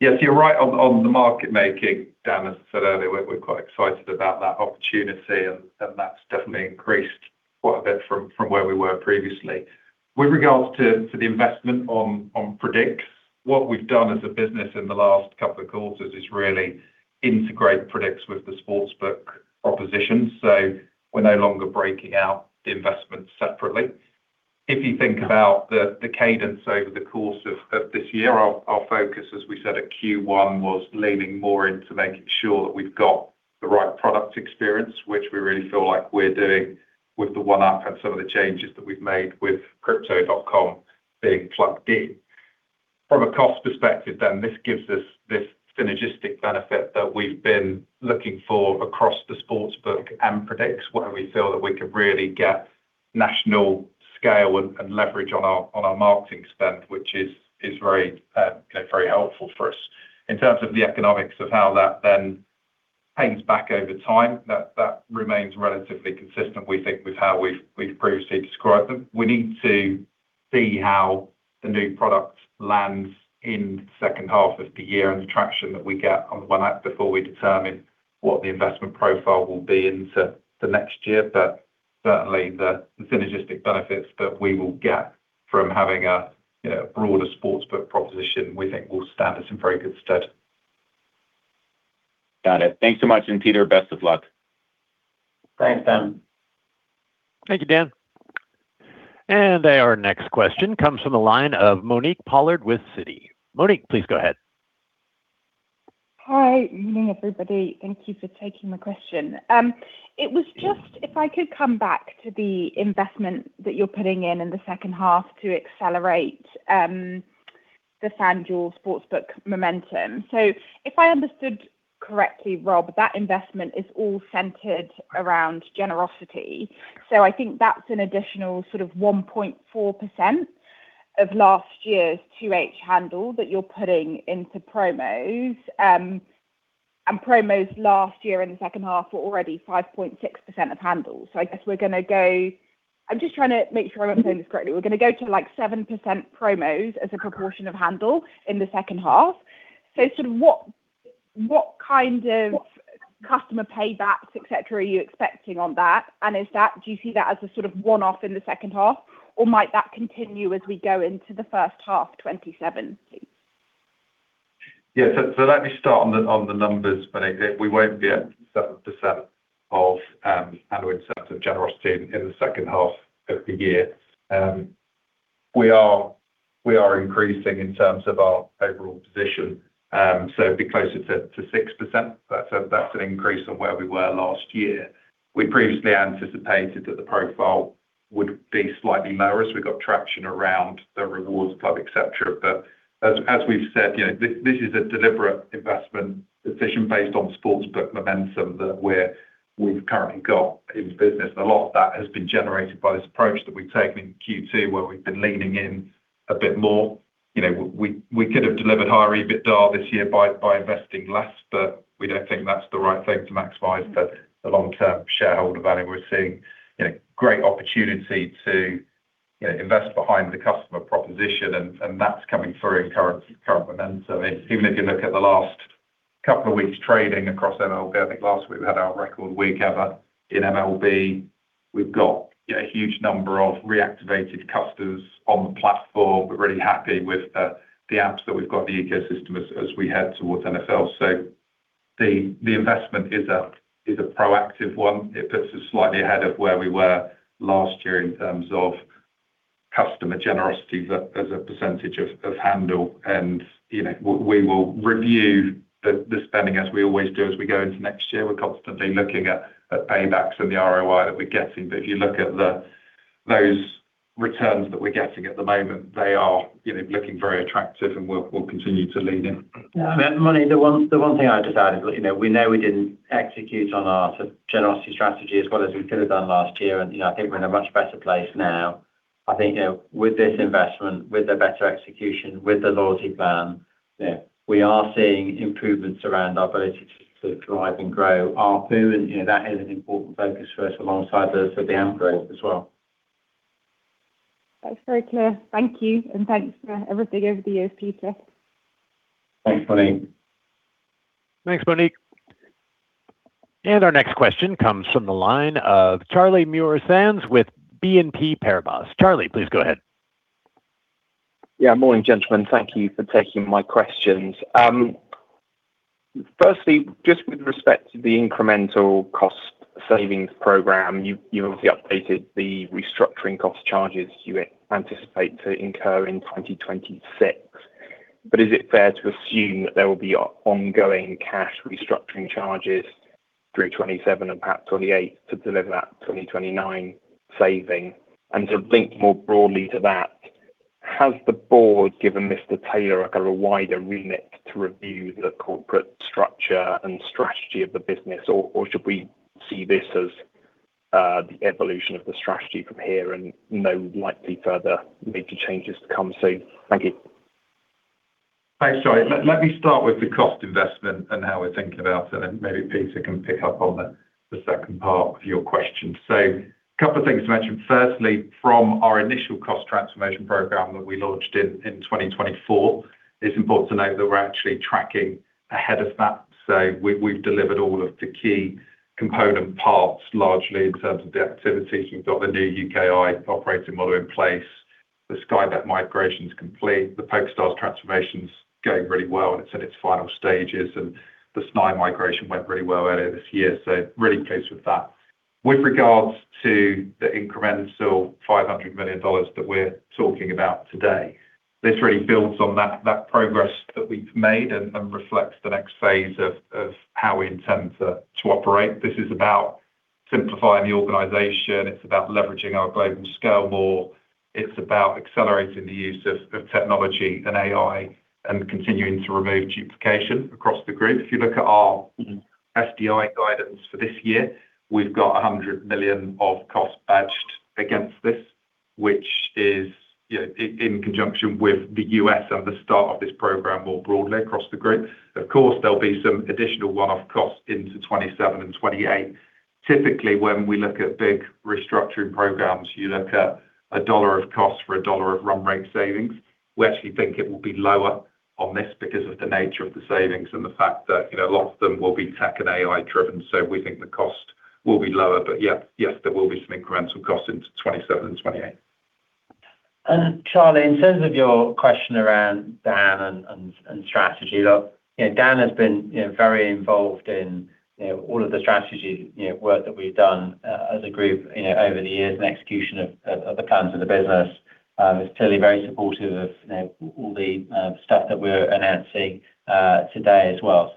Yes, you're right on the market making, Dan. As I said earlier, we're quite excited about that opportunity, and that's definitely increased quite a bit from where we were previously. With regards to the investment on Predict, what we've done as a business in the last couple of quarters is really integrate Predict with the Sportsbook proposition. We're no longer breaking out the investments separately. If you think about the cadence over the course of this year, our focus, as we said at Q1, was leaning more into making sure that we've got the right product experience, which we really feel like we're doing with the One App and some of the changes that we've made with Crypto.com being plugged in. From a cost perspective, this gives us this synergistic benefit that we've been looking for across the Sportsbook and Predict, where we feel that we can really get national scale and leverage on our marketing spend, which is very helpful for us. In terms of the economics of how that then pays back over time, that remains relatively consistent, we think, with how we've previously described them. We need to see how the new product lands in the second half of the year and the traction that we get on the One App before we determine what the investment profile will be into the next year. Certainly, the synergistic benefits that we will get from having a broader Sportsbook proposition we think will stand us in very good stead. Got it. Thanks so much. Peter, best of luck. Thanks, Dan. Thank you, Dan. Our next question comes from the line of Monique Pollard with Citi. Monique, please go ahead. Hi. Good morning, everybody. Thank you for taking my question. It was just if I could come back to the investment that you're putting in in the second half to accelerate the FanDuel sportsbook momentum. If I understood correctly, Rob, that investment is all centered around generosity. I think that's an additional 1.4% of last year's 2H handle that you're putting into promos. Promos last year in the second half were already 5.6% of handles. I'm just trying to make sure I understand this correctly. We're going to go to 7% promos as a proportion of handle in the second half. What kind of customer paybacks, etc., are you expecting on that? Do you see that as a sort of one-off in the second half, or might that continue as we go into the first half of 2027? Let me start on the numbers, Monique. We won't be at 7% of handle in terms of generosity in the second half of the year. We are increasing in terms of our overall position. It'd be closer to 6%. That's an increase on where we were last year. We previously anticipated that the profile would be slightly lower as we got traction around the FanDuel Rewards Club, etc. As we've said, this is a deliberate investment decision based on sportsbook momentum that we've currently got in the business, and a lot of that has been generated by this approach that we've taken in Q2 where we've been leaning in a bit more. We could have delivered higher EBITDA this year by investing less, we don't think that's the right thing to maximize the long-term shareholder value. We're seeing great opportunity to invest behind the customer proposition, that's coming through in current momentum. Even if you look at the last couple of weeks trading across MLB, I think last week we had our record week ever in MLB. We've got a huge number of reactivated customers on the platform. We're really happy with the apps that we've got in the ecosystem as we head towards NFL. The investment is a proactive one. It puts us slightly ahead of where we were last year in terms of customer generosity as a percentage of handle. We will review the spending as we always do as we go into next year. We're constantly looking at paybacks and the ROI that we're getting. If you look at those returns that we're getting at the moment, they are looking very attractive, we'll continue to lean in. Monique, the one thing I'd just add is we know we didn't execute on our generosity strategy as well as we could have done last year, I think we're in a much better place now. I think with this investment, with the better execution, with the loyalty plan, we are seeing improvements around our ability to drive and grow ARPU, that is an important focus for us alongside the upgrades as well. That's very clear. Thank you, thanks for everything over the years, Peter. Thanks, Monique. Our next question comes from the line of Charlie Muir-Sands with BNP Paribas. Charlie, please go ahead. Yeah, morning, gentlemen. Thank you for taking my questions. Firstly, just with respect to the incremental cost savings program, you obviously updated the restructuring cost charges you anticipate to incur in 2026. Is it fair to assume that there will be ongoing cash restructuring charges through 2027 and perhaps 2028 to deliver that 2029 saving? To link more broadly to that, has the board given Mr. Taylor a kind of wider remit to review the corporate structure and strategy of the business, or should we see this as the evolution of the strategy from here and no likely further major changes to come soon. Thank you. Thanks, Charlie. Let me start with the cost investment and how we're thinking about it, and maybe Peter can pick up on the second part of your question. A couple of things to mention. Firstly, from our initial cost transformation program that we launched in 2024, it's important to note that we're actually tracking ahead of that. We've delivered all of the key component parts largely in terms of the activities. We've got the new U.K.I. operating model in place. The Sky Bet migration is complete. The PokerStars transformation's going really well, and it's in its final stages, and the SNAI migration went really well earlier this year, really pleased with that. With regards to the incremental $500 million that we're talking about today, this really builds on that progress that we've made and reflects the next phase of how we intend to operate. This is about simplifying the organization. It's about leveraging our global scale more. It's about accelerating the use of technology and AI and continuing to remove duplication across the group. If you look at our SDI guidance for this year, we've got $100 million of cost pegged against this, which is in conjunction with the U.S. and the start of this program more broadly across the group. Of course, there'll be some additional one-off costs into 2027 and 2028. Typically, when we look at big restructuring programs, you look at $1 of cost for $1 of run rate savings. We actually think it will be lower on this because of the nature of the savings and the fact that a lot of them will be tech and AI driven. We think the cost will be lower but yes, there will be some incremental costs into 2027 and 2028. Charlie, in terms of your question around Dan and strategy. Look, Dan has been very involved in all of the strategy work that we've done as a group over the years and execution of the plans of the business. He's clearly very supportive of all the stuff that we're announcing today as well.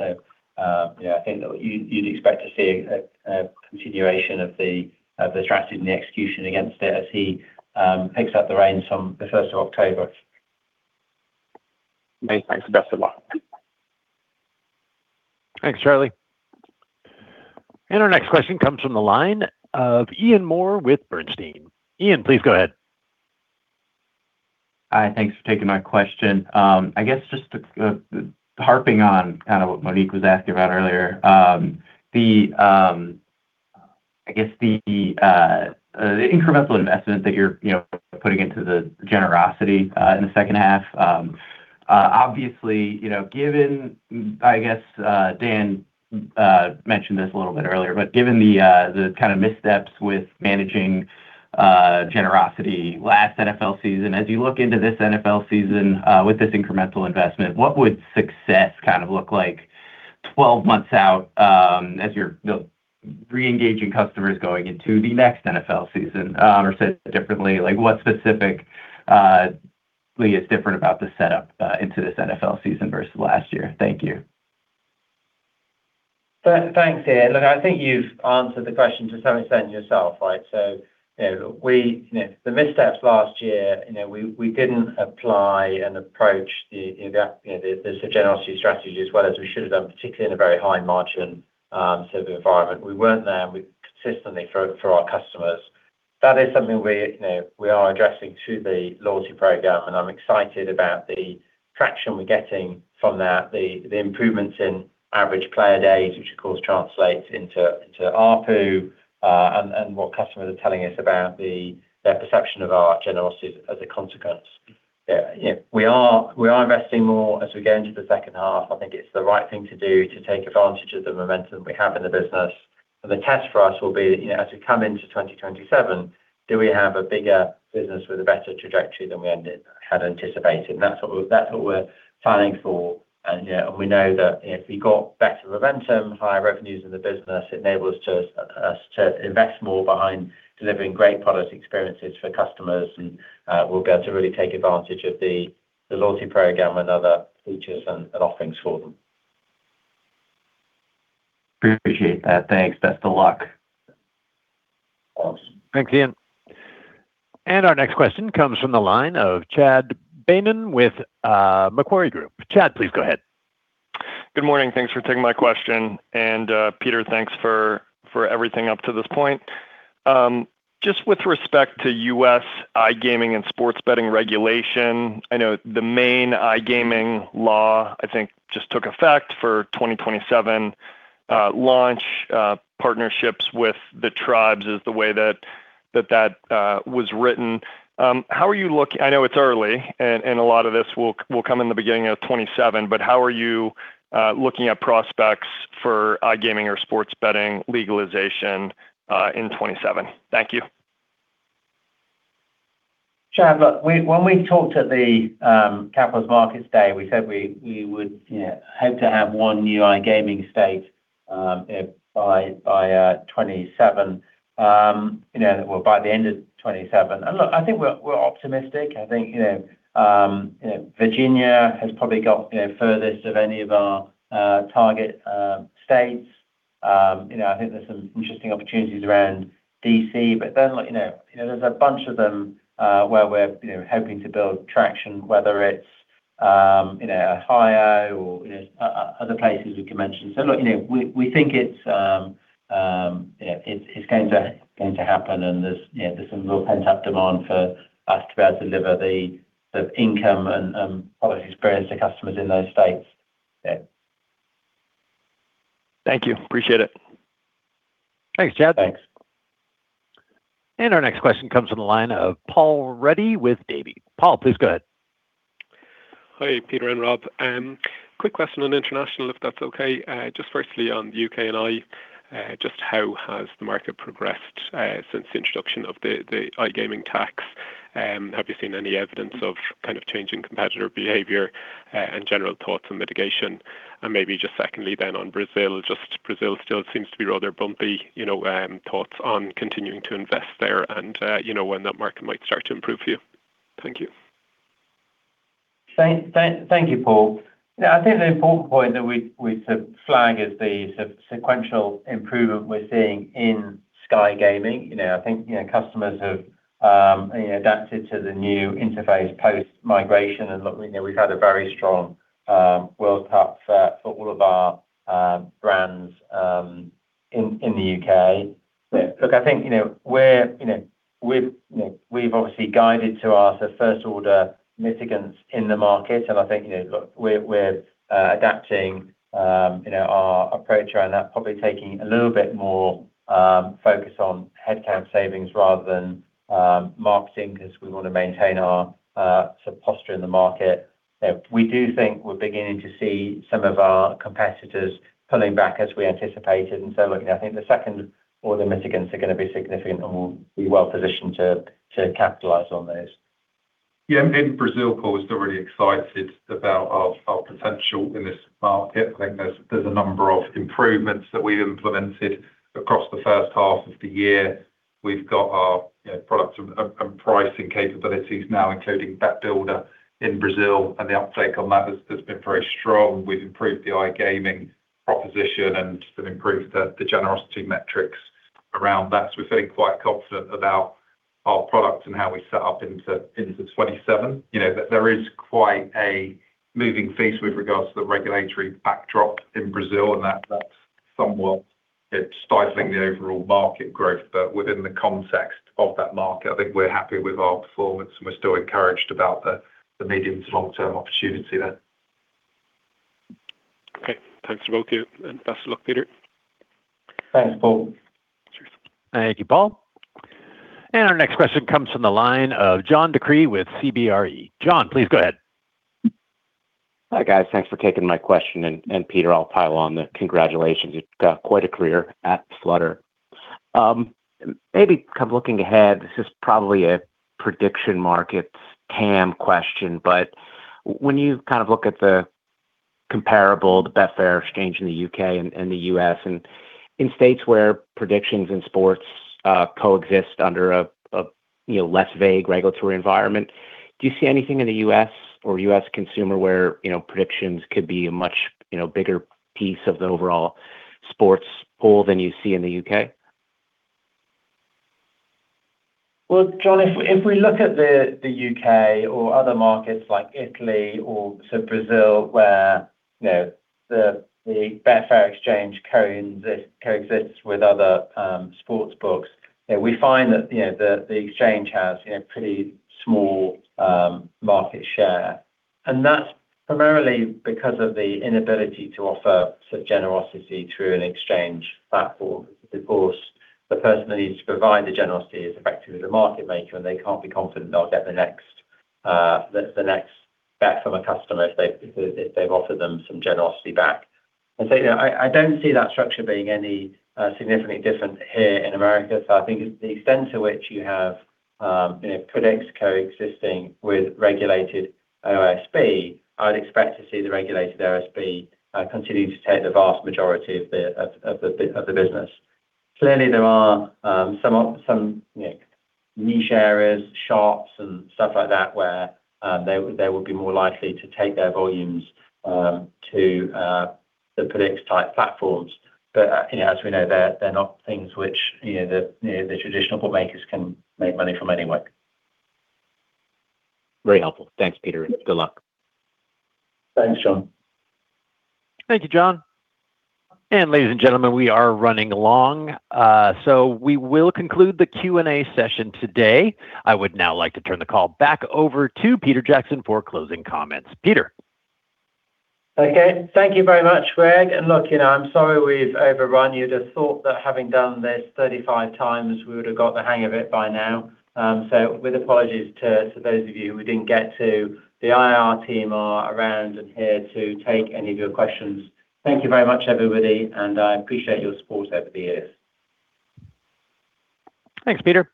Yeah, I think that you'd expect to see a continuation of the strategy and the execution against it as he picks up the reins from the 1st October. Many thanks. Best of luck. Thanks, Charlie. Our next question comes from the line of Ian Moore with Bernstein. Ian, please go ahead. Hi, thanks for taking my question. I guess just harping on what Monique was asking about earlier. The incremental investment that you're putting into the Generosity in the second half. Obviously, Dan mentioned this a little bit earlier, but given the missteps with managing Generosity last NFL season. As you look into this NFL season with this incremental investment, what would success look like 12 months out as you're reengaging customers going into the next NFL season? Said differently, what specifically is different about the setup into this NFL season versus last year? Thank you. Thanks, Ian. Look, I think you've answered the question to some extent yourself. The missteps last year, we didn't apply and approach the Generosity strategy as well as we should have done, particularly in a very high margin sort of environment. We weren't there consistently for our customers. That is something we are addressing through the loyalty program. I'm excited about the traction we're getting from that, the improvements in average player days, which of course translates into ARPU, what customers are telling us about their perception of our Generosity as a consequence. We are investing more as we go into the second half. I think it's the right thing to do to take advantage of the momentum we have in the business. The test for us will be, as we come into 2027, do we have a bigger business with a better trajectory than we had anticipated? That's what we're planning for, we know that if we got better momentum, higher revenues in the business, it enables us to invest more behind delivering great product experiences for customers, we'll be able to really take advantage of the loyalty program and other features and offerings for them. Appreciate that. Thanks. Best of luck. Awesome. Thanks, Ian. Our next question comes from the line of Chad Beynon with Macquarie Group. Chad, please go ahead. Good morning. Thanks for taking my question. Peter, thanks for everything up to this point. Just with respect to U.S. iGaming and sports betting regulation, I know the main iGaming law, I think, just took effect for 2027 launch. Partnerships with the tribes is the way that that was written. I know it's early, a lot of this will come in the beginning of 2027, how are you looking at prospects for iGaming or sports betting legalization in 2027? Thank you. Chad, look, when we talked at the Capital Markets Day, we said we would hope to have one new iGaming state by the end of 2027. Look, I think we're optimistic. I think Virginia has probably got furthest of any of our target states. I think there's some interesting opportunities around D.C., there's a bunch of them where we're hoping to build traction, whether it's in Ohio or other places we can mention. Look, we think it's going to happen and there's some real pent-up demand for us to be able to deliver the iGaming and product experience to customers in those states. Thank you. Appreciate it. Thanks, Chad. Thanks. Our next question comes from the line of Paul Ruddy with Davy. Paul, please go ahead. Hi, Peter and Rob. Quick question on international, if that's okay. Firstly, on the U.K. and iGaming, just how has the market progressed since the introduction of the iGaming tax? Have you seen any evidence of changing competitor behavior and general thoughts on mitigation? Maybe just secondly on Brazil still seems to be rather bumpy. Thoughts on continuing to invest there and when that market might start to improve for you. Thank you. Thank you, Paul. I think the important point that we flag is the sequential improvement we're seeing in Sky Gaming. I think customers have adapted to the new interface post-migration, look, we've had a very strong World Cup for all of our brands in the U.K. Look, I think we've obviously guided to our first order mitigants in the market. I think look, we're adapting our approach around that, probably taking a little bit more focus on headcount savings rather than marketing because we want to maintain our posture in the market. We do think we're beginning to see some of our competitors pulling back as we anticipated. Look, I think the second order mitigants are going to be significant, and we'll be well positioned to capitalize on those. Yeah, in Brazil, Paul, we're still really excited about our potential in this market. I think there's a number of improvements that we implemented across the first half of the year. We've got our products and pricing capabilities now, including Bet Builder in Brazil, and the uptake on that has been very strong. We've improved the iGaming proposition and improved the generosity metrics around that, so we're feeling quite confident about our product and how we set up into 2027. There is quite a moving feast with regards to the regulatory backdrop in Brazil, and that's somewhat stifling the overall market growth. Within the context of that market, I think we're happy with our performance, and we're still encouraged about the medium to long-term opportunity there. Okay. Thanks to both of you, best of luck, Peter. Thanks, Paul. Cheers. Thank you, Paul. Our next question comes from the line of John DeCree with CBRE. John, please go ahead. Hi, guys. Thanks for taking my question. Peter, I'll pile on the congratulations. You've got quite a career at Flutter. Maybe looking ahead, this is probably a prediction markets TAM question, but when you look at the comparable, the Betfair Exchange in the U.K. and the U.S., and in states where predictions in sports coexist under a less vague regulatory environment, do you see anything in the U.S. or U.S. consumer where predictions could be a much bigger piece of the overall sports pool than you see in the U.K.? Well, John, if we look at the U.K. or other markets like Italy or Brazil, where the Betfair Exchange coexists with other sportsbooks, we find that the exchange has pretty small market share. That's primarily because of the inability to offer generosity through an exchange platform. The person that needs to provide the generosity is effectively the market maker, and they can't be confident they'll get the next bet from a customer if they've offered them some generosity back. I don't see that structure being any significantly different here in America. I think the extent to which you have predicts coexisting with regulated OSB, I would expect to see the regulated OSB continue to take the vast majority of the business. Clearly, there are some niche areas, sharps and stuff like that, where they would be more likely to take their volumes to the Predicts type platforms. As we know, they're not things which the traditional bookmakers can make money from anyway. Very helpful. Thanks, Peter, and good luck. Thanks, John. Thank you, John. Ladies and gentlemen, we are running along, so we will conclude the Q&A session today. I would now like to turn the call back over to Peter Jackson for closing comments. Peter? Okay. Thank you very much, Greg. Look, I'm sorry we've overrun. You'd have thought that having done this 35x, we would have got the hang of it by now. With apologies to those of you we didn't get to, the IR team are around and here to take any of your questions. Thank you very much, everybody, and I appreciate your support over the years. Thanks, Peter.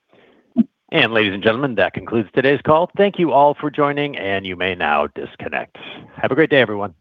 Ladies and gentlemen, that concludes today's call. Thank you all for joining, and you may now disconnect. Have a great day, everyone.